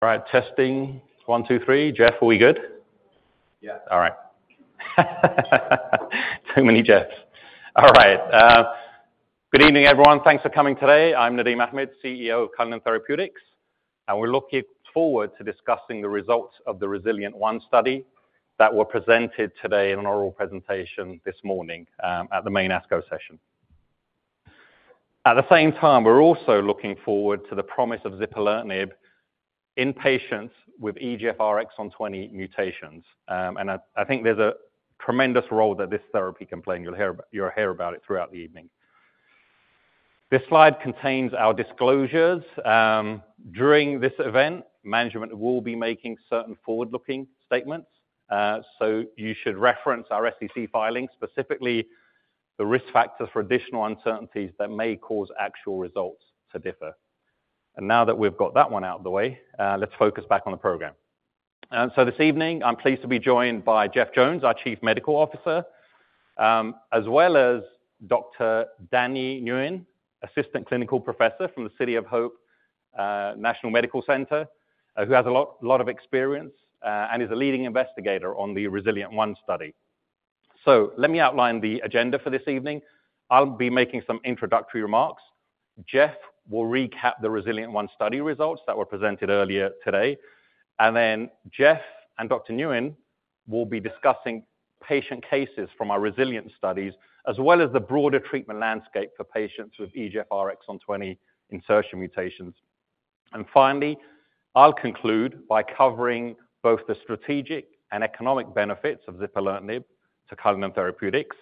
All right, testing. One, two, three. Jeff, are we good? Yeah. All right. Too many Jeffs. All right. Good evening, everyone. Thanks for coming today. I'm Nadim Ahmed, CEO of Cullinan Therapeutics, and we're looking forward to discussing the results of the REZILIENT1 study that were presented today in an oral presentation this morning at the main ASCO session. At the same time, we're also looking forward to the promise of zipalertinib in patients with EGFR exon 20 mutations. I think there's a tremendous role that this therapy can play. You'll hear about it throughout the evening. This slide contains our disclosures. During this event, management will be making certain forward-looking statements. You should reference our SEC filing, specifically the risk factors for additional uncertainties that may cause actual results to differ. Now that we've got that one out of the way, let's focus back on the program. This evening, I'm pleased to be joined by Jeff Jones, our Chief Medical Officer, as well as Dr. Danny Nguyen, Assistant Clinical Professor from the City of Hope National Medical Center, who has a lot of experience and is a leading investigator on the REZILIENT1 study. Let me outline the agenda for this evening. I'll be making some introductory remarks. Jeff will recap the REZILIENT1 study results that were presented earlier today. Then Jeff and Dr. Nguyen will be discussing patient cases from our RESILIENT studies, as well as the broader treatment landscape for patients with EGFR exon 20 insertion mutations. Finally, I'll conclude by covering both the strategic and economic benefits of zipalertinib to Cullinan Therapeutics,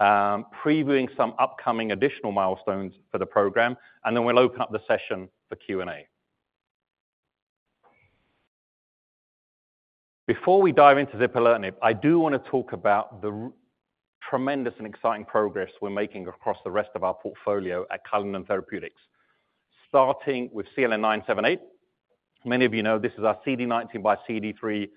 previewing some upcoming additional milestones for the program. Then we'll open up the session for Q&A. Before we dive into zipalertinib, I do want to talk about the tremendous and exciting progress we're making across the rest of our portfolio at Cullinan Therapeutics, starting with CLN-978. Many of you know this is our CD19 x CD3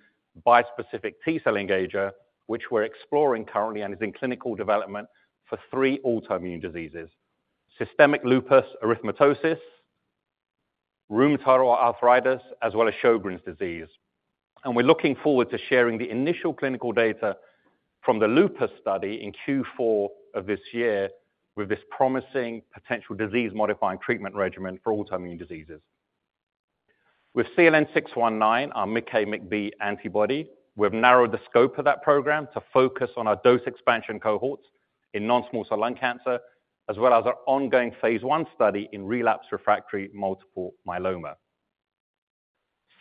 bispecific T-cell engager, which we're exploring currently and is in clinical development for three autoimmune diseases: systemic lupus erythematosus, rheumatoid arthritis, as well as Sjogren's disease. We're looking forward to sharing the initial clinical data from the lupus study in Q4 of this year with this promising potential disease-modifying treatment regimen for autoimmune diseases. With CLN-619, our MICA/MICB antibody, we've narrowed the scope of that program to focus on our dose expansion cohorts in non-small cell lung cancer, as well as our ongoing phase one study in relapsed refractory multiple myeloma.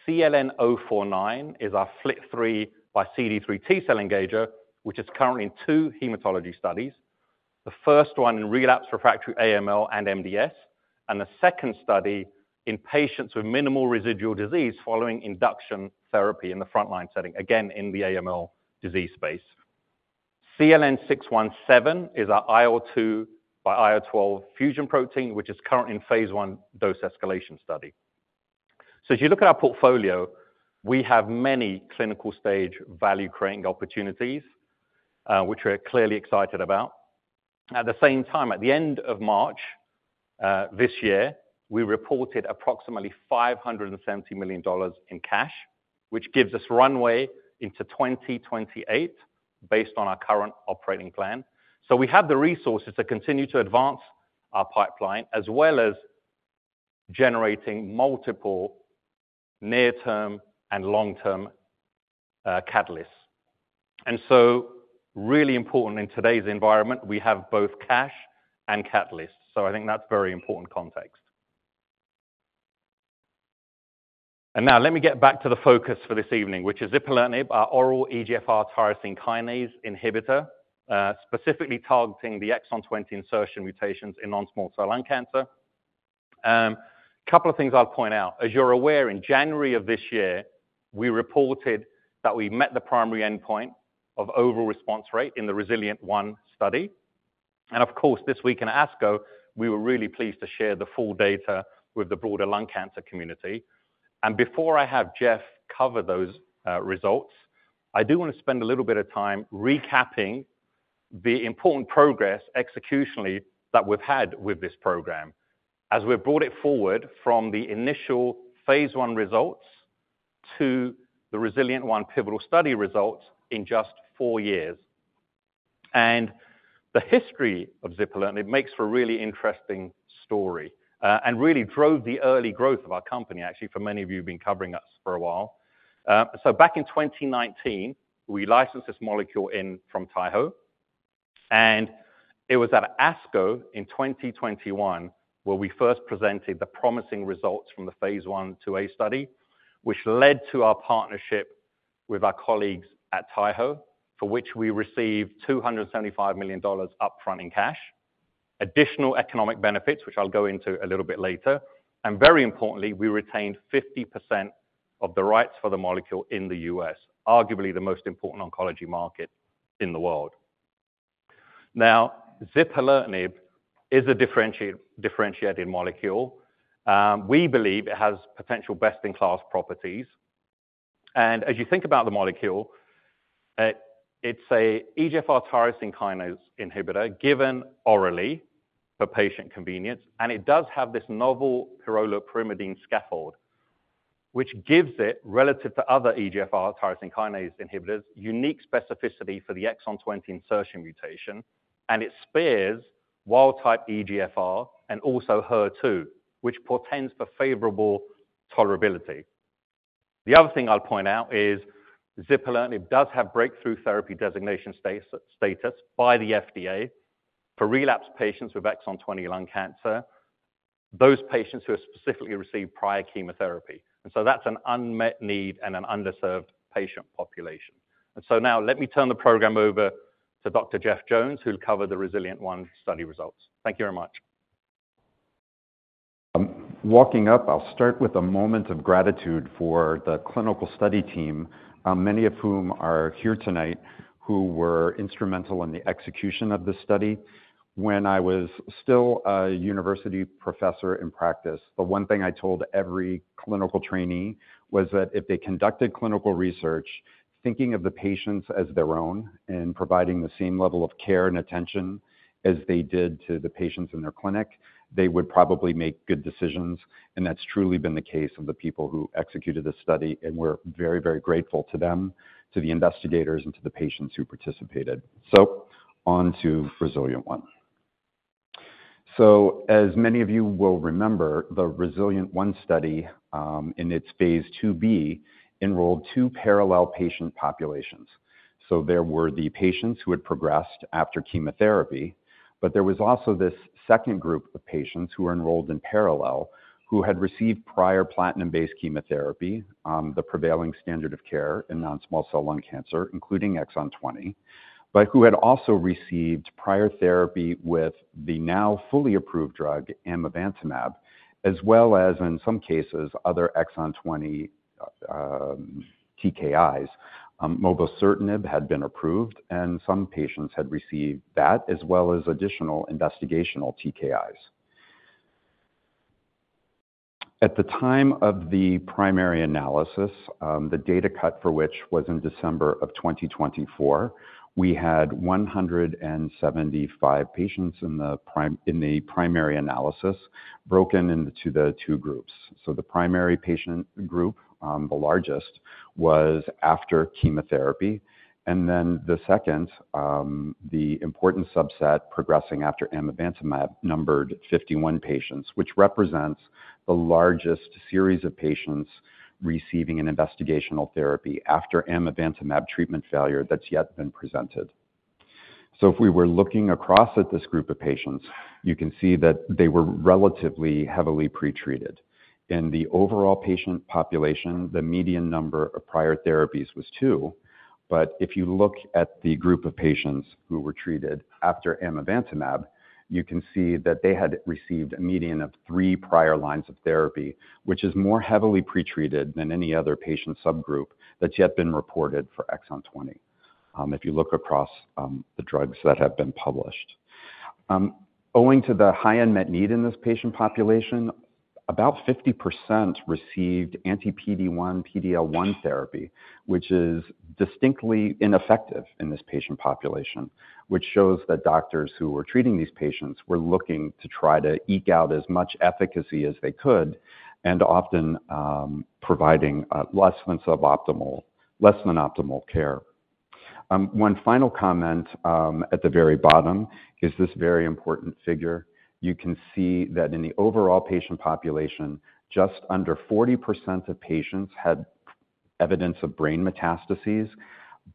CLN-049 is our FLT3 x CD3 T-cell engager, which is currently in two hematology studies: the first one in relapsed refractory AML and MDS, and the second study in patients with minimal residual disease following induction therapy in the frontline setting, again in the AML disease space. CLN-617 is our IL-2 x IL-12 fusion protein, which is currently in phase one dose escalation study. As you look at our portfolio, we have many clinical stage value creating opportunities, which we're clearly excited about. At the end of March this year, we reported approximately $570 million in cash, which gives us runway into 2028 based on our current operating plan. We have the resources to continue to advance our pipeline, as well as generating multiple near-term and long-term catalysts. It is really important in today's environment, we have both cash and catalysts. I think that's very important context. Now let me get back to the focus for this evening, which is zipalertinib, our oral EGFR tyrosine kinase inhibitor, specifically targeting the exon 20 insertion mutations in non-small cell lung cancer. A couple of things I'll point out. As you're aware, in January of this year, we reported that we met the primary endpoint of overall response rate in the REZILIENT1 study. Of course, this week in ASCO, we were really pleased to share the full data with the broader lung cancer community. Before I have Jeff cover those results, I do want to spend a little bit of time recapping the important progress executionally that we've had with this program, as we've brought it forward from the initial phase one results to the REZILIENT1 pivotal study results in just four years. The history of zipalertinib makes for a really interesting story and really drove the early growth of our company, actually, for many of you who've been covering us for a while. Back in 2019, we licensed this molecule in from Taiho, and it was at ASCO in 2021 where we first presented the promising results from the phase one to a study, which led to our partnership with our colleagues at Taiho, for which we received $275 million upfront in cash, additional economic benefits, which I'll go into a little bit later. Very importantly, we retained 50% of the rights for the molecule in the U.S., arguably the most important oncology market in the world. Now, zipalertinib is a differentiated molecule. We believe it has potential best-in-class properties. As you think about the molecule, it's an EGFR tyrosine kinase inhibitor given orally for patient convenience. It does have this novel pyrroloperimidine scaffold, which gives it, relative to other EGFR tyrosine kinase inhibitors, unique specificity for the exon 20 insertion mutation. It spares wild-type EGFR and also HER2, which portends for favorable tolerability. The other thing I'll point out is zipalertinib does have breakthrough therapy designation status by the FDA for relapsed patients with exon 20 lung cancer, those patients who have specifically received prior chemotherapy. That is an unmet need and an underserved patient population. Now let me turn the program over to Dr. Jeff Jones, who'll cover the REZILIENT1 study results. Thank you very much. Walking up, I'll start with a moment of gratitude for the clinical study team, many of whom are here tonight, who were instrumental in the execution of this study. When I was still a university professor in practice, the one thing I told every clinical trainee was that if they conducted clinical research, thinking of the patients as their own and providing the same level of care and attention as they did to the patients in their clinic, they would probably make good decisions. That's truly been the case of the people who executed this study. We're very, very grateful to them, to the investigators, and to the patients who participated. On to REZILIENT1. As many of you will remember, the REZILIENT1 study in its phase 2B enrolled two parallel patient populations. There were the patients who had progressed after chemotherapy, but there was also this second group of patients who were enrolled in parallel who had received prior platinum-based chemotherapy, the prevailing standard of care in non-small cell lung cancer, including exon 20, but who had also received prior therapy with the now fully approved drug, Amivantamab, as well as, in some cases, other exon 20 TKIs. Mobocertinib had been approved, and some patients had received that, as well as additional investigational TKIs. At the time of the primary analysis, the data cut for which was in December of 2024, we had 175 patients in the primary analysis broken into the two groups. The primary patient group, the largest, was after chemotherapy. Then the second, the important subset progressing after Amivantamab, numbered 51 patients, which represents the largest series of patients receiving an investigational therapy after Amivantamab treatment failure that's yet been presented. If we were looking across at this group of patients, you can see that they were relatively heavily pretreated. In the overall patient population, the median number of prior therapies was two. If you look at the group of patients who were treated after Amivantamab, you can see that they had received a median of three prior lines of therapy, which is more heavily pretreated than any other patient subgroup that's yet been reported for exon 20, if you look across the drugs that have been published. Owing to the high unmet need in this patient population, about 50% received anti-PD-1, PD-L1 therapy, which is distinctly ineffective in this patient population, which shows that doctors who were treating these patients were looking to try to eke out as much efficacy as they could and often providing less than optimal care. One final comment at the very bottom is this very important figure. You can see that in the overall patient population, just under 40% of patients had evidence of brain metastases,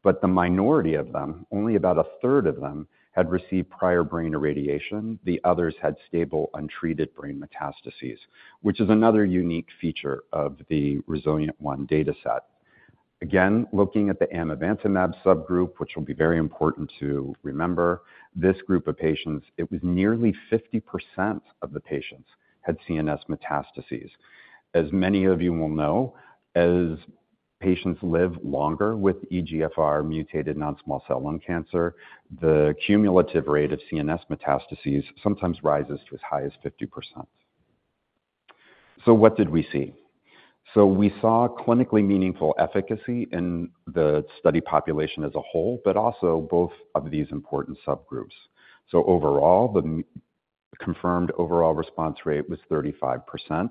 but the minority of them, only about a third of them, had received prior brain irradiation. The others had stable untreated brain metastases, which is another unique feature of the REZILIENT1 data set. Again, looking at the Amivantamab subgroup, which will be very important to remember, this group of patients, it was nearly 50% of the patients had CNS metastases. As many of you will know, as patients live longer with EGFR-mutated non-small cell lung cancer, the cumulative rate of CNS metastases sometimes rises to as high as 50%. What did we see? We saw clinically meaningful efficacy in the study population as a whole, but also both of these important subgroups. Overall, the confirmed overall response rate was 35%.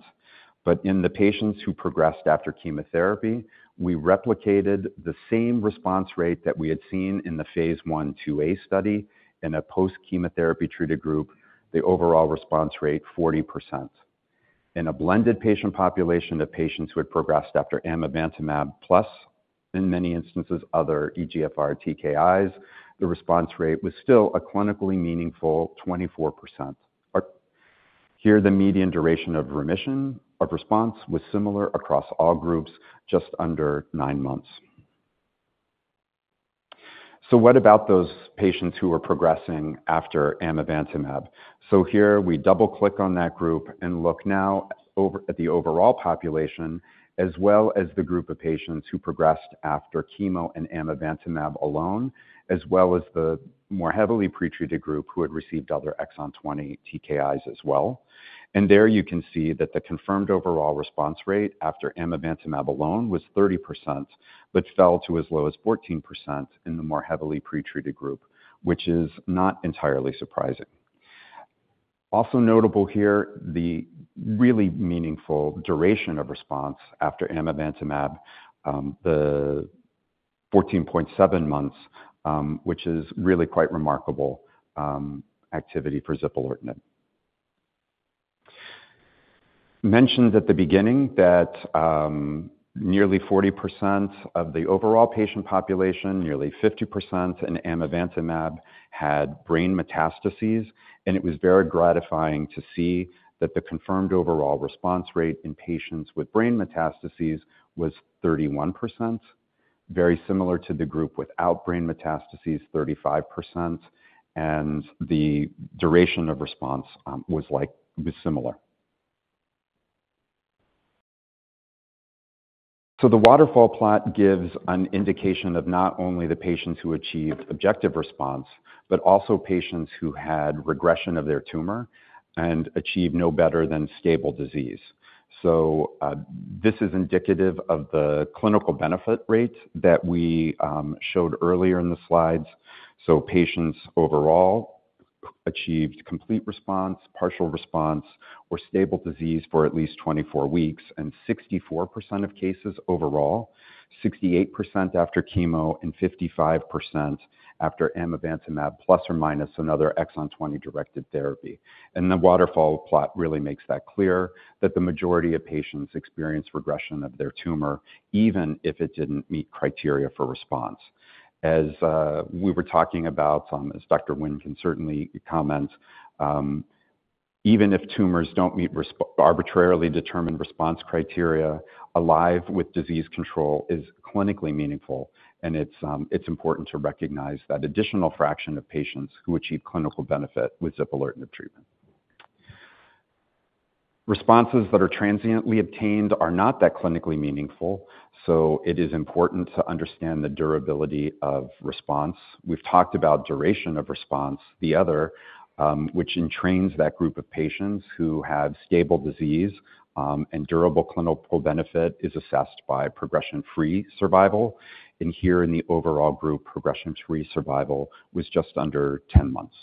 In the patients who progressed after chemotherapy, we replicated the same response rate that we had seen in the phase one to a study in a post-chemotherapy treated group, the overall response rate 40%. In a blended patient population of patients who had progressed after Amivantamab, plus in many instances other EGFR TKIs, the response rate was still a clinically meaningful 24%. Here, the median duration of response was similar across all groups, just under nine months. What about those patients who were progressing after Amivantamab? Here we double-click on that group and look now at the overall population, as well as the group of patients who progressed after chemo and Amivantamab alone, as well as the more heavily pretreated group who had received other exon 20 TKIs as well. There you can see that the confirmed overall response rate after Amivantamab alone was 30%, but fell to as low as 14% in the more heavily pretreated group, which is not entirely surprising. Also notable here, the really meaningful duration of response after Amivantamab, the 14.7 months, which is really quite remarkable activity for zipalertinib. Mentioned at the beginning that nearly 40% of the overall patient population, nearly 50% in Amivantamab, had brain metastases. It was very gratifying to see that the confirmed overall response rate in patients with brain metastases was 31%, very similar to the group without brain metastases, 35%, and the duration of response was similar. The waterfall plot gives an indication of not only the patients who achieved objective response, but also patients who had regression of their tumor and achieved no better than stable disease. This is indicative of the clinical benefit rate that we showed earlier in the slides. Patients overall achieved complete response, partial response, or stable disease for at least 24 weeks, and 64% of cases overall, 68% after chemo and 55% after Amivantamab, plus or minus another exon 20 directed therapy. The waterfall plot really makes that clear that the majority of patients experienced regression of their tumor, even if it did not meet criteria for response. As we were talking about, as Dr. Nguyen can certainly comment, even if tumors do not meet arbitrarily determined response criteria, alive with disease control is clinically meaningful. It is important to recognize that additional fraction of patients who achieve clinical benefit with zipalertinib treatment. Responses that are transiently obtained are not that clinically meaningful. It is important to understand the durability of response. We have talked about duration of response, the other, which entrains that group of patients who have stable disease and durable clinical benefit, is assessed by progression-free survival. Here in the overall group, progression-free survival was just under 10 months.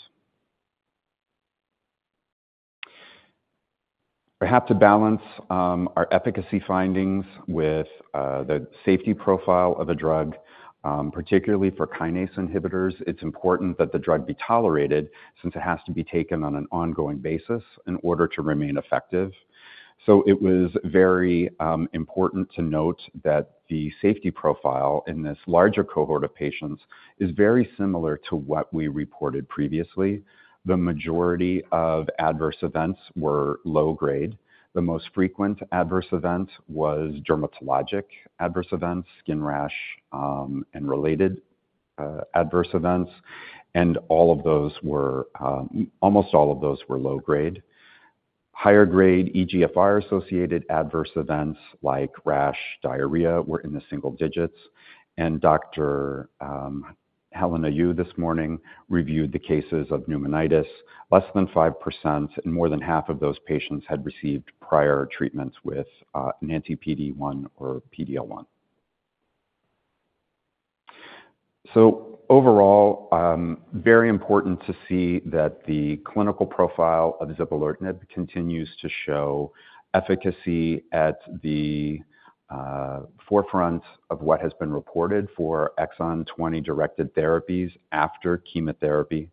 Perhaps to balance our efficacy findings with the safety profile of a drug, particularly for kinase inhibitors, it is important that the drug be tolerated since it has to be taken on an ongoing basis in order to remain effective. It was very important to note that the safety profile in this larger cohort of patients is very similar to what we reported previously. The majority of adverse events were low-grade. The most frequent adverse event was dermatologic adverse events, skin rash and related adverse events. All of those were, almost all of those were low-grade. Higher-grade EGFR-associated adverse events like rash, diarrhea were in the single digits. Dr. Helena Yu this morning reviewed the cases of pneumonitis, less than 5%, and more than half of those patients had received prior treatments with an anti-PD-1 or PD-L1. Overall, very important to see that the clinical profile of zipalertinib continues to show efficacy at the forefront of what has been reported for exon 20 directed therapies after chemotherapy.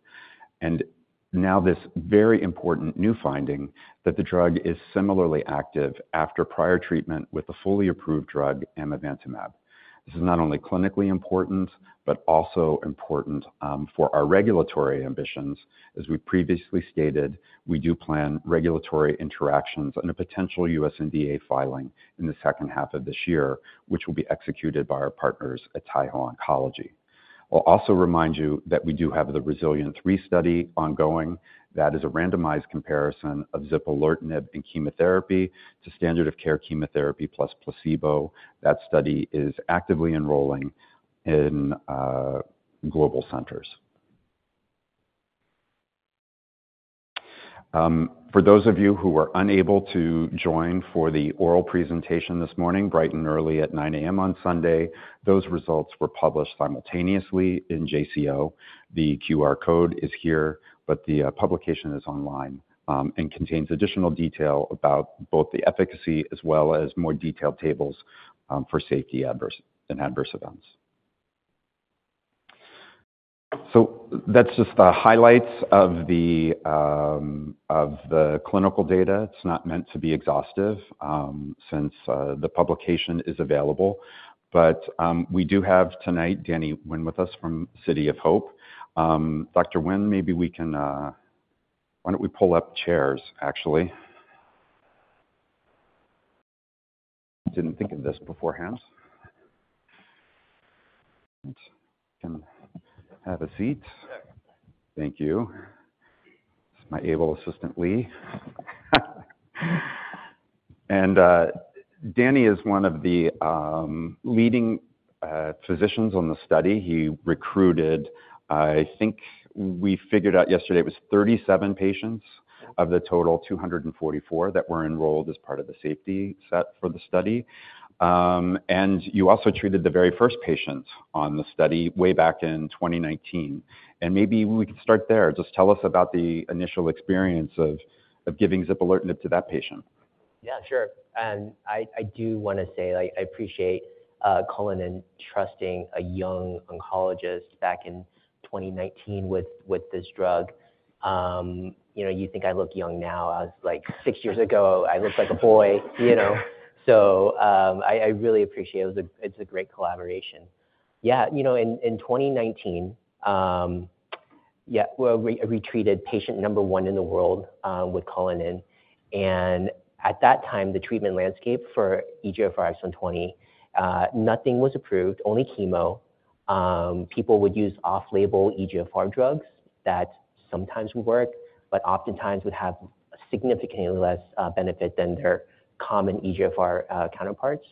This very important new finding that the drug is similarly active after prior treatment with the fully approved drug, Amivantamab. This is not only clinically important, but also important for our regulatory ambitions. As we previously stated, we do plan regulatory interactions and a potential U.S. NDA filing in the second half of this year, which will be executed by our partners at Taiho Oncology. I'll also remind you that we do have the REZILIENT3 study ongoing. That is a randomized comparison of zipalertinib and chemotherapy to standard of care chemotherapy plus placebo. That study is actively enrolling in global centers. For those of you who were unable to join for the oral presentation this morning, bright and early at 9:00 A.M. on Sunday, those results were published simultaneously in JCO. The QR code is here, but the publication is online and contains additional detail about both the efficacy as well as more detailed tables for safety and adverse events. That is just the highlights of the clinical data. It is not meant to be exhaustive since the publication is available. We do have tonight, Danny Nguyen with us from City of Hope. Dr. Nguyen, maybe we can, why do not we pull up chairs, actually? Did not think of this beforehand. Can have a seat. Thank you. This is my able assistant, Lee. Danny is one of the leading physicians on the study. He recruited, I think we figured out yesterday it was 37 patients of the total 244 that were enrolled as part of the safety set for the study. You also treated the very first patient on the study way back in 2019. Maybe we can start there. Just tell us about the initial experience of giving zipalertinib to that patient. Yeah, sure. I do want to say I appreciate Cullinan trusting a young oncologist back in 2019 with this drug. You think I look young now. That was six years ago, I looked like a boy. I really appreciate it. It's a great collaboration. Yeah. In 2019, we treated patient number one in the world with Cullinan. At that time, the treatment landscape for EGFR exon 20, nothing was approved, only chemo. People would use off-label EGFR drugs that sometimes would work, but oftentimes would have significantly less benefit than their common EGFR counterparts.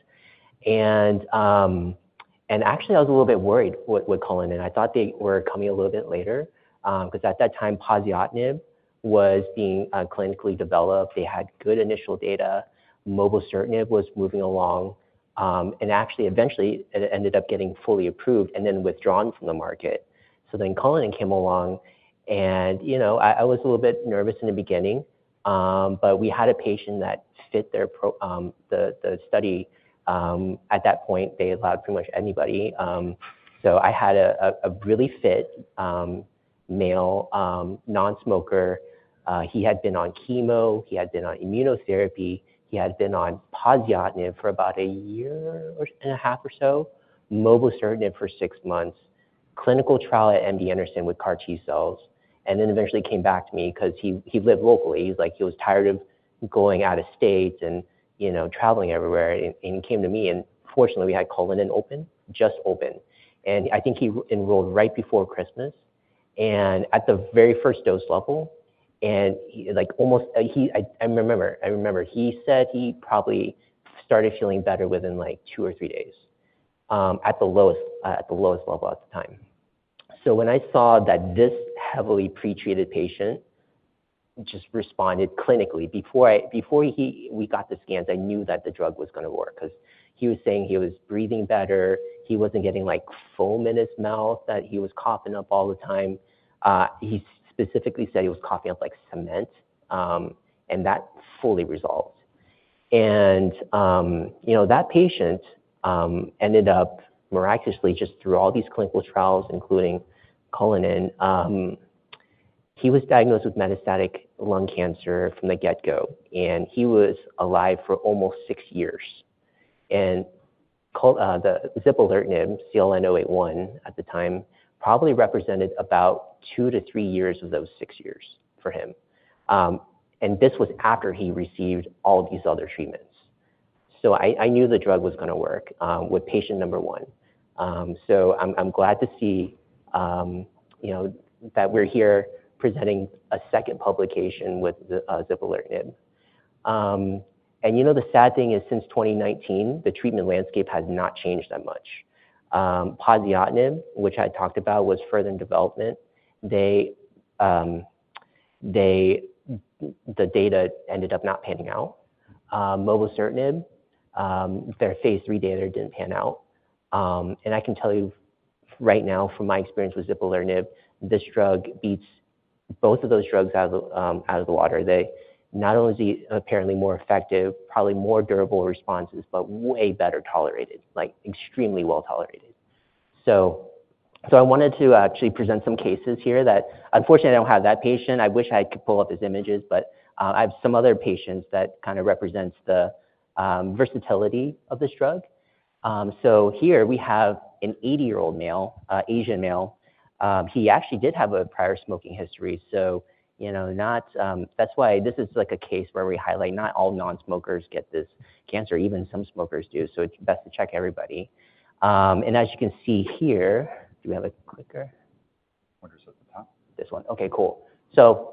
Actually, I was a little bit worried with Cullinan. I thought they were coming a little bit later because at that time, poziotinib was being clinically developed. They had good initial data. Mobocertinib was moving along. Actually, eventually, it ended up getting fully approved and then withdrawn from the market. Cullinan came along. I was a little bit nervous in the beginning, but we had a patient that fit the study. At that point, they allowed pretty much anybody. I had a really fit male, non-smoker. He had been on chemo. He had been on immunotherapy. He had been on Poziotinib for about a year and a half or so, Mobocertinib for six months, clinical trial at MD Anderson with CAR T cells. Eventually, he came back to me because he lived locally. He was tired of going out of state and traveling everywhere. He came to me. Fortunately, we had Cullinan open, just open. I think he enrolled right before Christmas at the very first dose level. I remember he said he probably started feeling better within like two or three days at the lowest level at the time. When I saw that this heavily pretreated patient just responded clinically before we got the scans, I knew that the drug was going to work because he was saying he was breathing better. He was not getting foam in his mouth that he was coughing up all the time. He specifically said he was coughing up like cement. That fully resolved. That patient ended up miraculously just through all these clinical trials, including Cullinan, he was diagnosed with metastatic lung cancer from the get-go. He was alive for almost six years. The zipalertinib, CLN-081 at the time, probably represented about two to three years of those six years for him. This was after he received all these other treatments. I knew the drug was going to work with patient number one. I am glad to see that we are here presenting a second publication with zipalertinib. The sad thing is since 2019, the treatment landscape has not changed that much. Poziotinib, which I talked about, was further in development, the data ended up not panning out. Mobocertinib, their phase three data did not pan out. I can tell you right now from my experience with zipalertinib, this drug beats both of those drugs out of the water. They not only are apparently more effective, probably more durable responses, but way better tolerated, like extremely well tolerated. I wanted to actually present some cases here that unfortunately I do not have that patient. I wish I could pull up his images, but I have some other patients that kind of represent the versatility of this drug. Here we have an 80-year-old Asian male. He actually did have a prior smoking history. That is why this is like a case where we highlight not all non-smokers get this cancer. Even some smokers do. It is best to check everybody. As you can see here, do we have a clicker? Wonder if it is at the top. This one. Okay, cool.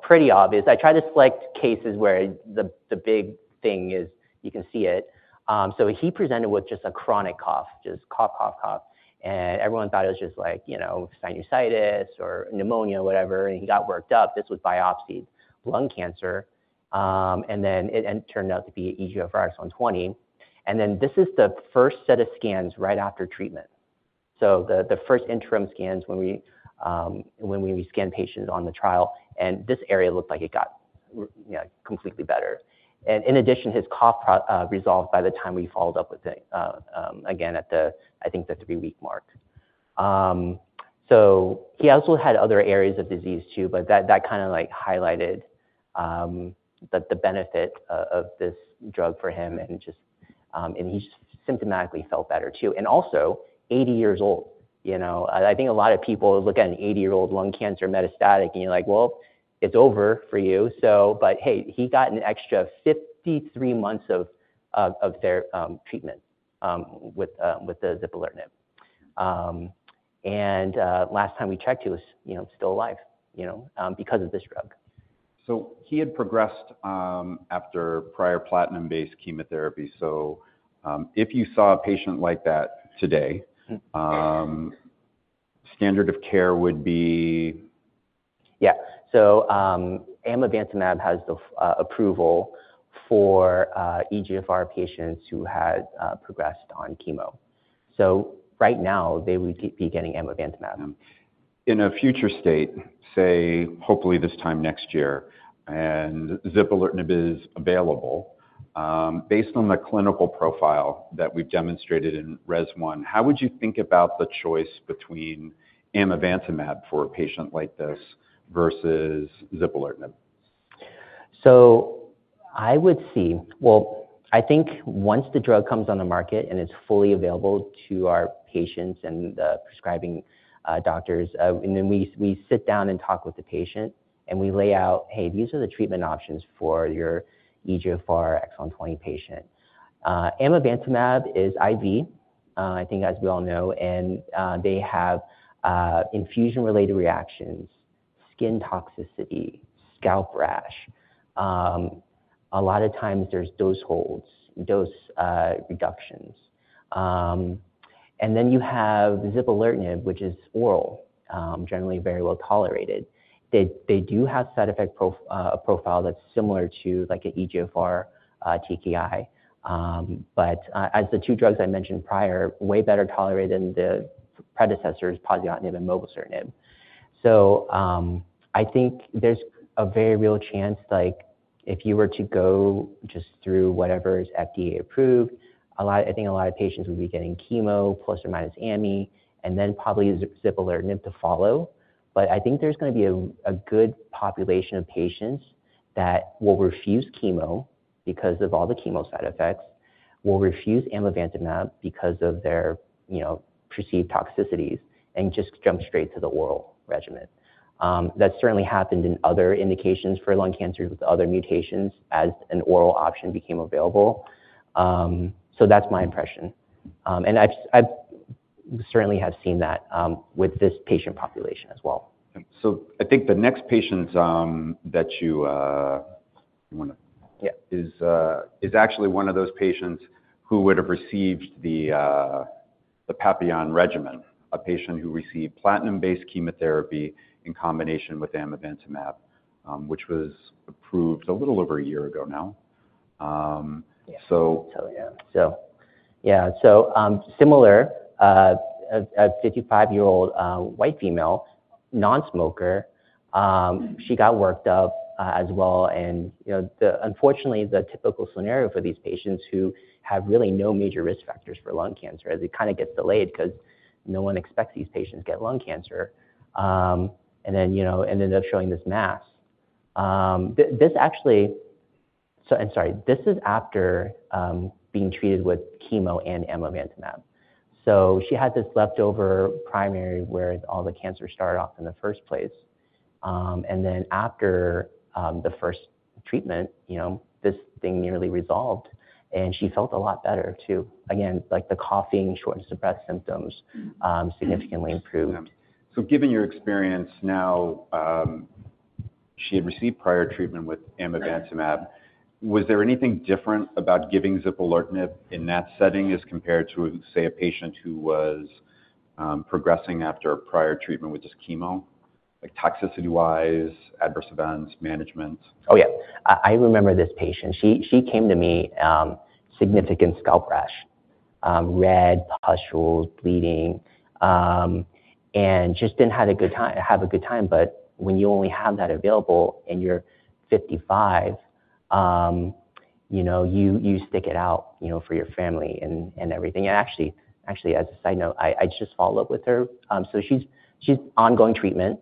Pretty obvious. I try to select cases where the big thing is you can see it. He presented with just a chronic cough, just cough, cough, cough. Everyone thought it was just sinusitis or pneumonia, whatever. He got worked up. This was biopsied lung cancer. It turned out to be EGFR exon 20. This is the first set of scans right after treatment, the first interim scans when we scan patients on the trial. This area looked like it got completely better. In addition, his cough resolved by the time we followed up with it again at the, I think, the three-week mark. He also had other areas of disease too, but that kind of highlighted the benefit of this drug for him. He just symptomatically felt better too. Also, 80 years old. I think a lot of people look at an 80-year-old lung cancer metastatic, and you're like, "Well, it's over for you." Hey, he got an extra 53 months of treatment with zipalertinib. Last time we checked, he was still alive because of this drug. He had progressed after prior platinum-based chemotherapy. If you saw a patient like that today, standard of care would be, yeah, Amivantamab has the approval for EGFR patients who had progressed on chemo. Right now, they would be getting Amivantamab. In a future state, say, hopefully this time next year, and zipalertinib is available, based on the clinical profile that we've demonstrated in REZILIENT1, how would you think about the choice between Amivantamab for a patient like this versus zipalertinib? I would see, I think once the drug comes on the market and it's fully available to our patients and the prescribing doctors, and then we sit down and talk with the patient and we lay out, "Hey, these are the treatment options for your EGFR exon 20 patient." Amivantamab is IV, I think, as we all know. They have infusion-related reactions, skin toxicity, scalp rash. A lot of times there are dose holds, dose reductions. You have zipalertinib, which is oral, generally very well tolerated. They do have a side effect profile that's similar to an EGFR TKI. As the two drugs I mentioned prior, way better tolerated than the predecessors, poziotinib and mobocertinib. I think there's a very real chance if you were to go just through whatever is FDA approved, I think a lot of patients would be getting chemo plus or minus ami, and then probably zipalertinib to follow. I think there's going to be a good population of patients that will refuse chemo because of all the chemo side effects, will refuse amivantamab because of their perceived toxicities, and just jump straight to the oral regimen. That's certainly happened in other indications for lung cancers with other mutations as an oral option became available. That's my impression. I certainly have seen that with this patient population as well. I think the next patient that you want to is actually one of those patients who would have received the PAPILLON regimen, a patient who received platinum-based chemotherapy in combination with Amivantamab, which was approved a little over a year ago now. Similar, a 55-year-old white female, non-smoker, she got worked up as well. Unfortunately, the typical scenario for these patients who have really no major risk factors for lung cancer is it kind of gets delayed because no one expects these patients to get lung cancer and then ended up showing this mass. Sorry, this is after being treated with chemo and Amivantamab. She had this leftover primary where all the cancer started off in the first place. After the first treatment, this thing nearly resolved. She felt a lot better too. The coughing and shortness of breath symptoms significantly improved. Given your experience now, she had received prior treatment with Amivantamab, was there anything different about giving zipalertinib in that setting as compared to, say, a patient who was progressing after prior treatment with just chemo, toxicity-wise, adverse events, management? Oh yeah. I remember this patient. She came to me, significant scalp rash, red pustules, bleeding, and just did not have a good time. When you only have that available and you are 55, you stick it out for your family and everything. Actually, as a side note, I just followed up with her. She is ongoing treatment.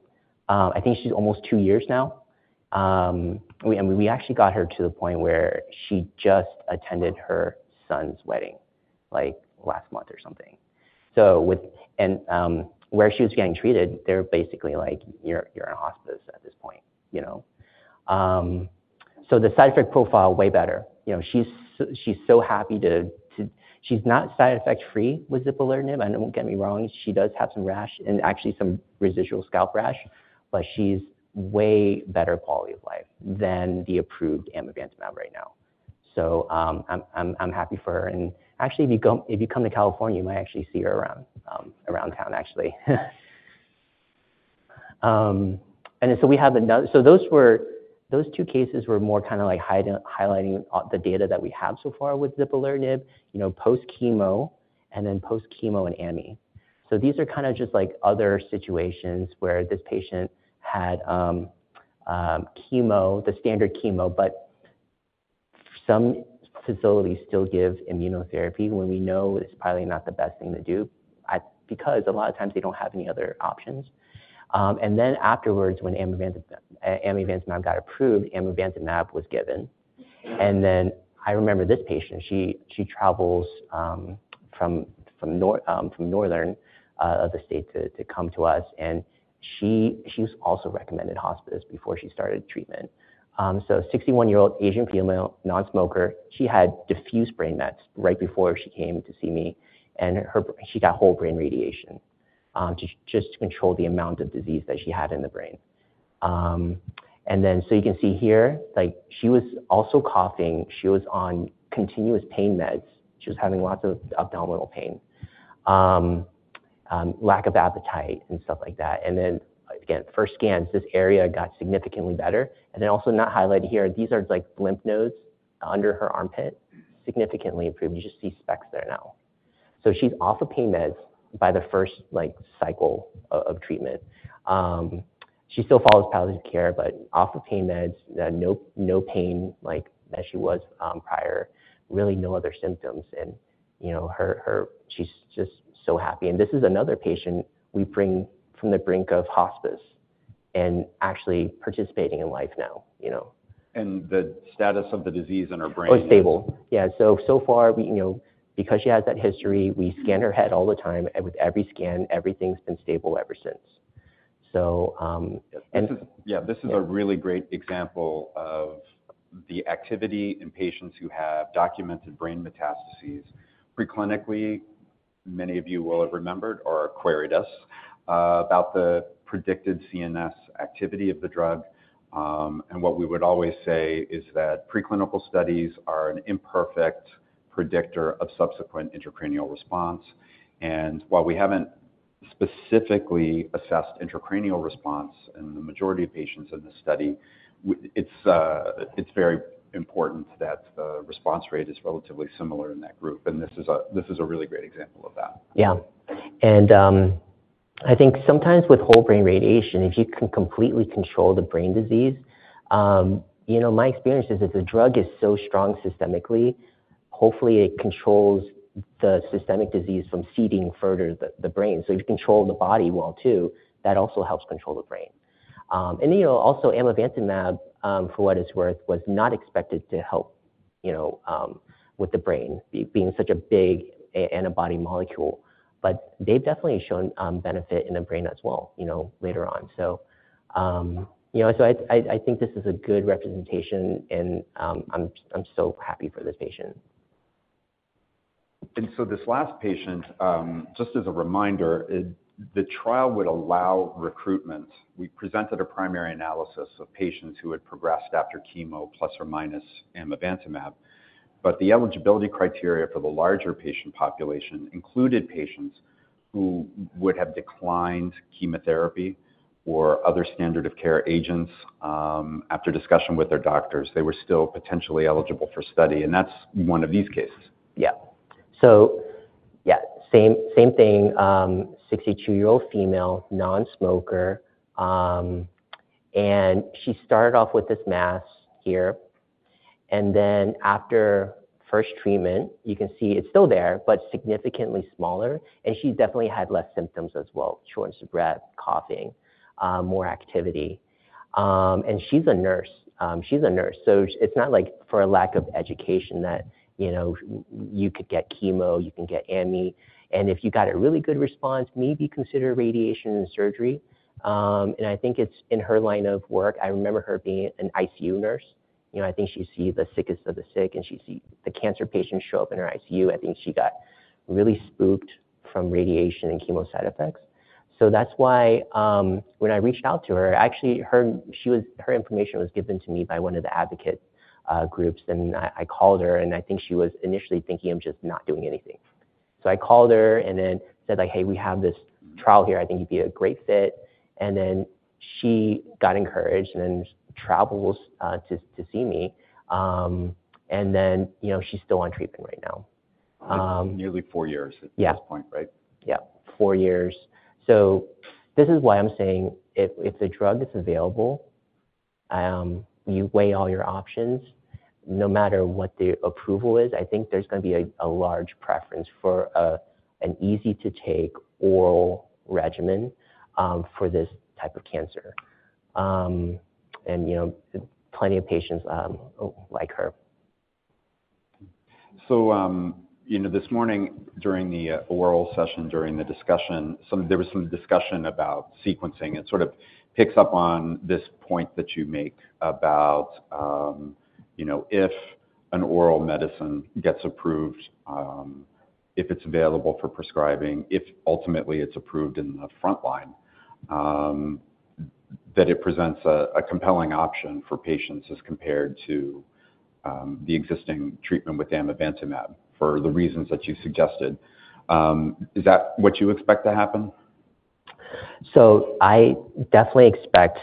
I think she is almost two years now. We actually got her to the point where she just attended her son's wedding last month or something. Where she was getting treated, they were basically like, "You're in hospice at this point." The side effect profile, way better. She's so happy to—she's not side effect-frdee with zipalertinib. Don't get me wrong, she does have some rash and actually some residual scalp rash, but she has way better quality of life than the approved amivantamab right now. I'm happy for her. Actually, if you come to California, you might see her around town, actually. We have another—those two cases were more kind of like highlighting the data that we have so far with zipalertinib, post-chemo, and then post-chemo and ami. These are kind of just like other situations where this patient had chemo, the standard chemo, but some facilities still give immunotherapy when we know it's probably not the best thing to do because a lot of times they don't have any other options. Afterwards, when Amivantamab got approved, Amivantamab was given. I remember this patient. She travels from northern of the state to come to us. She was also recommended hospice before she started treatment. A 61-year-old Asian female, non-smoker. She had diffuse brain mets right before she came to see me. She got whole brain radiation just to control the amount of disease that she had in the brain. You can see here, she was also coughing. She was on continuous pain meds. She was having lots of abdominal pain, lack of appetite, and stuff like that. Then again, first scans, this area got significantly better. Also, not highlighted here, these are like lymph nodes under her armpit, significantly improved. You just see specs there now. She is off of pain meds by the first cycle of treatment. She still follows palliative care, but off of pain meds, no pain like she was prior, really no other symptoms. She is just so happy. This is another patient we bring from the brink of hospice and actually participating in life now. The status of the disease in her brain was stable. Yeah. So far, because she has that history, we scan her head all the time. With every scan, everything has been stable ever since. This is a really great example of the activity in patients who have documented brain metastases. Preclinically, many of you will have remembered or queried us about the predicted CNS activity of the drug. What we would always say is that preclinical studies are an imperfect predictor of subsequent intracranial response. While we have not specifically assessed intracranial response in the majority of patients in this study, it is very important that the response rate is relatively similar in that group. This is a really great example of that. Yeah. I think sometimes with whole brain radiation, if you can completely control the brain disease, my experience is if the drug is so strong systemically, hopefully it controls the systemic disease from seeding further the brain. If you control the body well too, that also helps control the brain. Also, Amivantamab, for what it is worth, was not expected to help with the brain being such a big antibody molecule. They've definitely shown benefit in the brain as well later on. I think this is a good representation, and I'm so happy for this patient. This last patient, just as a reminder, the trial would allow recruitment. We presented a primary analysis of patients who had progressed after chemo plus or minus Amivantamab. The eligibility criteria for the larger patient population included patients who would have declined chemotherapy or other standard of care agents. After discussion with their doctors, they were still potentially eligible for study. That's one of these cases. Yeah. Same thing, 62-year-old female, non-smoker. She started off with this mass here. After first treatment, you can see it's still there, but significantly smaller. She definitely had less symptoms as well, shortness of breath, coughing, more activity. She's a nurse. She's a nurse. It's not like for a lack of education that you could get chemo, you can get ami. If you got a really good response, maybe consider radiation and surgery. I think it's in her line of work. I remember her being an ICU nurse. I think she'd see the sickest of the sick, and she'd see the cancer patients show up in her ICU. I think she got really spooked from radiation and chemo side effects. That's why when I reached out to her, actually, her information was given to me by one of the advocate groups. I called her, and I think she was initially thinking of just not doing anything. I called her and then said, "Hey, we have this trial here. I think you'd be a great fit." She got encouraged and then travels to see me. She's still on treatment right now. Nearly four years at this point, right? Yeah. Four years. This is why I'm saying if the drug is available, you weigh all your options. No matter what the approval is, I think there's going to be a large preference for an easy-to-take oral regimen for this type of cancer. And plenty of patients like her. This morning, during the oral session, during the discussion, there was some discussion about sequencing. It sort of picks up on this point that you make about if an oral medicine gets approved, if it's available for prescribing, if ultimately it's approved in the front line, that it presents a compelling option for patients as compared to the existing treatment with Amivantamab for the reasons that you suggested. Is that what you expect to happen? I definitely expect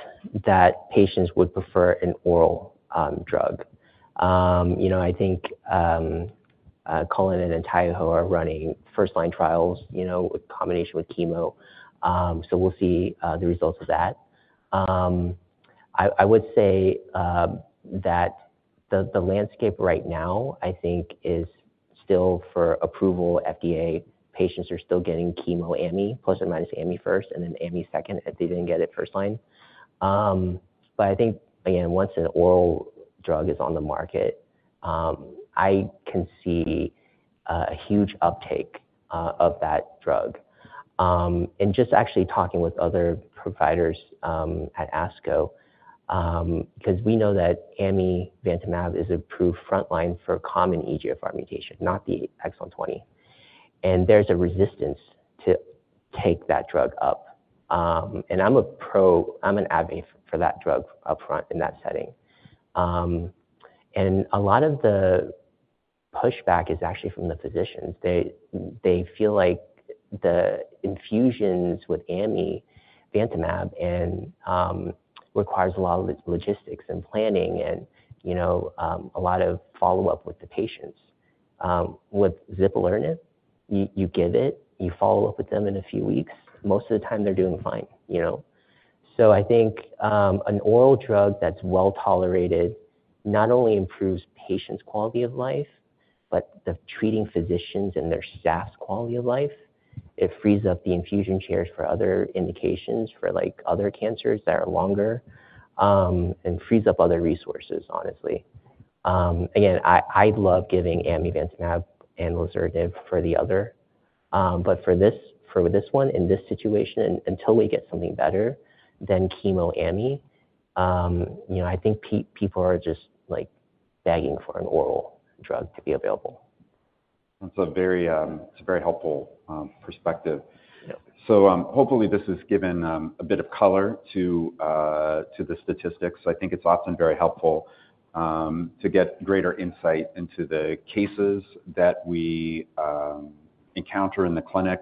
that patients would prefer an oral drug. I think Cullinan and Taiho are running first-line trials with combination with chemo. We'll see the results of that. I would say that the landscape right now, I think, is still for approval, FDA. Patients are still getting chemo, ami, plus or minus ami first, and then ami second if they didn't get it first line. I think, again, once an oral drug is on the market, I can see a huge uptake of that drug. Just actually talking with other providers at ASCO, because we know that Amivantamab is approved front line for common EGFR mutation, not the exon 20. There's a resistance to take that drug up. I'm an advocate for that drug upfront in that setting. A lot of the pushback is actually from the physicians. They feel like the infusions with Amivantamab require a lot of logistics and planning and a lot of follow-up with the patients. With zipalertinib, you give it, you follow up with them in a few weeks. Most of the time, they're doing fine. I think an oral drug that's well tolerated not only improves patients' quality of life, but the treating physicians and their staff's quality of life. It frees up the infusion chairs for other indications for other cancers that are longer and frees up other resources, honestly. Again, I love giving Amivantamab and Lizurinib for the other. For this one in this situation, until we get something better than chemo ami, I think people are just begging for an oral drug to be available. That's a very helpful perspective. Hopefully, this has given a bit of color to the statistics. I think it's often very helpful to get greater insight into the cases that we encounter in the clinic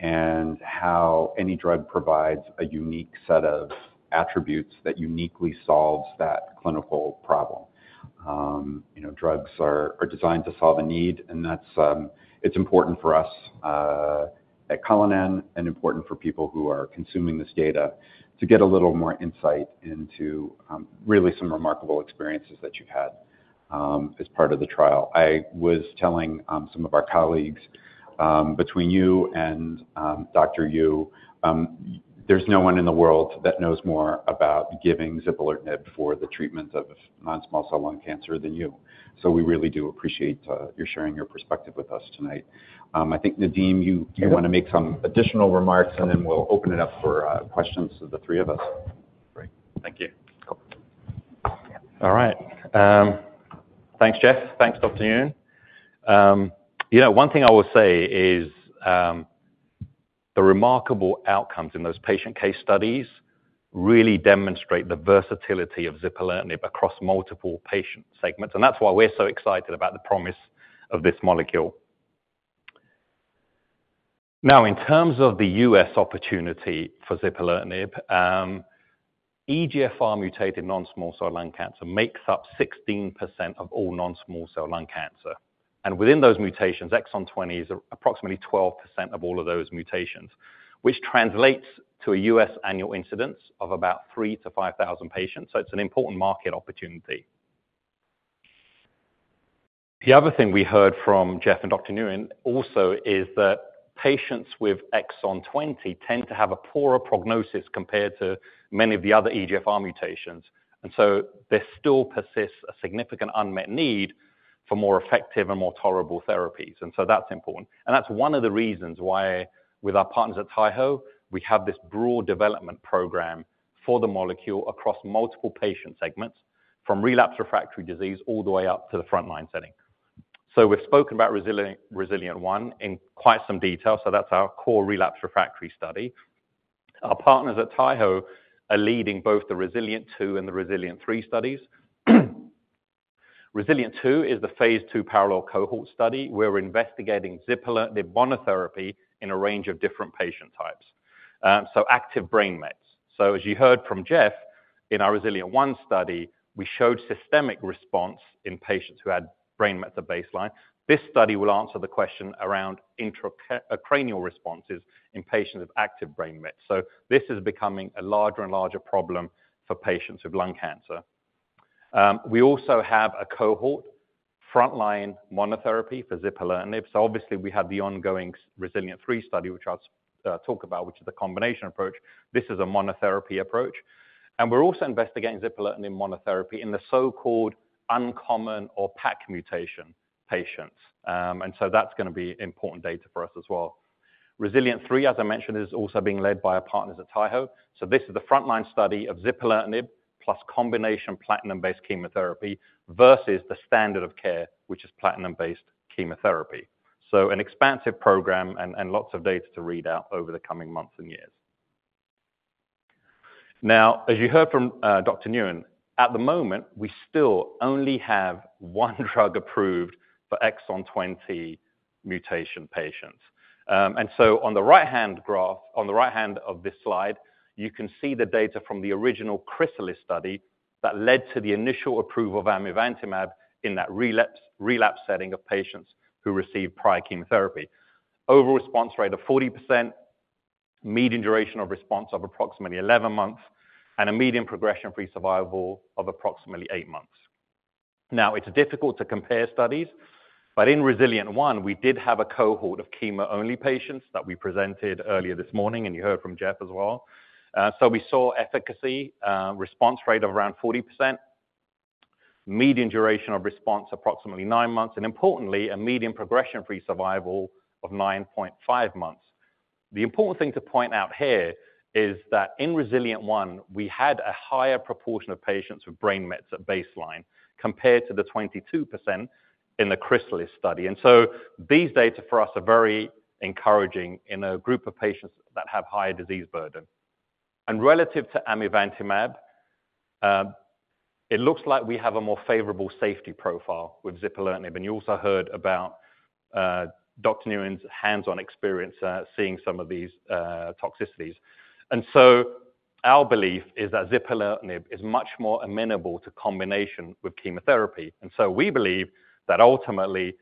and how any drug provides a unique set of attributes that uniquely solves that clinical problem. Drugs are designed to solve a need, and it's important for us at Cullinan and important for people who are consuming this data to get a little more insight into really some remarkable experiences that you've had as part of the trial. I was telling some of our colleagues, between you and Dr. Yu, there's no one in the world that knows more about giving zipalertinib for the treatment of non-small cell lung cancer than you. So we really do appreciate your sharing your perspective with us tonight. I think, Nadim, you want to make some additional remarks, and then we'll open it up for questions to the three of us. Great. Thank you. All right. Thanks, Jeff. Thanks, Dr. Nguyen. One thing I will say is the remarkable outcomes in those patient case studies really demonstrate the versatility of zipalertinib across multiple patient segments. That is why we are so excited about the promise of this molecule. Now, in terms of the U.S. opportunity for zipalertinib, EGFR-mutated non-small cell lung cancer makes up 16% of all non-small cell lung cancer. Within those mutations, exon 20 is approximately 12% of all of those mutations, which translates to a U.S. annual incidence of about 3,000-5,000 patients. It is an important market opportunity. The other thing we heard from Jeff and Dr. Nguyen also is that patients with exon 20 tend to have a poorer prognosis compared to many of the other EGFR mutations. There still persists a significant unmet need for more effective and more tolerable therapies. That is important. That is one of the reasons why, with our partners at Taiho, we have this broad development program for the molecule across multiple patient segments from relapsed refractory disease all the way up to the front line setting. We have spoken about REZILIENT1 in quite some detail. That is our core relapsed refractory study. Our partners at Taiho are leading both the REZILIEN2 and the REZILIENT3 studies. REZILIENT2 is the phase 2 parallel cohort study. We are investigating zipalertinib monotherapy in a range of different patient types, including active brain mets. As you heard from Jeff, in our REZILIENT1 study, we showed systemic response in patients who had brain mets at baseline. This study will answer the question around intracranial responses in patients with active brain mets. This is becoming a larger and larger problem for patients with lung cancer. We also have a cohort front line monotherapy for zipalertinib. Obviously, we have the ongoing REZILIENT3 study, which I'll talk about, which is a combination approach. This is a monotherapy approach. We're also investigating zipalertinib monotherapy in the so-called uncommon or PAC mutation patients. That is going to be important data for us as well. REZILIENT3, as I mentioned, is also being led by our partners at Taiho. This is the front line study of zipalertinib plus combination platinum-based chemotherapy versus the standard of care, which is platinum-based chemotherapy. An expansive program and lots of data to read out over the coming months and years. Now, as you heard from Dr. Nguyen, at the moment, we still only have one drug approved for exon 20 mutation patients. On the right-hand graph, on the right-hand of this slide, you can see the data from the original CRISALIS study that led to the initial approval of Amivantamab in that relapse setting of patients who received prior chemotherapy. Overall response rate of 40%, median duration of response of approximately 11 months, and a median progression-free survival of approximately 8 months. Now, it's difficult to compare studies, but in REZILIENT1, we did have a cohort of chemo only patients that we presented earlier this morning, and you heard from Jeff as well. We saw efficacy, response rate of around 40%, median duration of response approximately 9 months, and importantly, a median progression-free survival of 9.5 months. The important thing to point out here is that in REZILIENT1, we had a higher proportion of patients with brain mets at baseline compared to the 22% in the CRISALIS study. These data for us are very encouraging in a group of patients that have higher disease burden. Relative to Amivantamab, it looks like we have a more favorable safety profile with zipalertinib. You also heard about Dr. Nguyen's hands-on experience seeing some of these toxicities. Our belief is that zipalertinib is much more amenable to combination with chemotherapy. We believe that ultimately,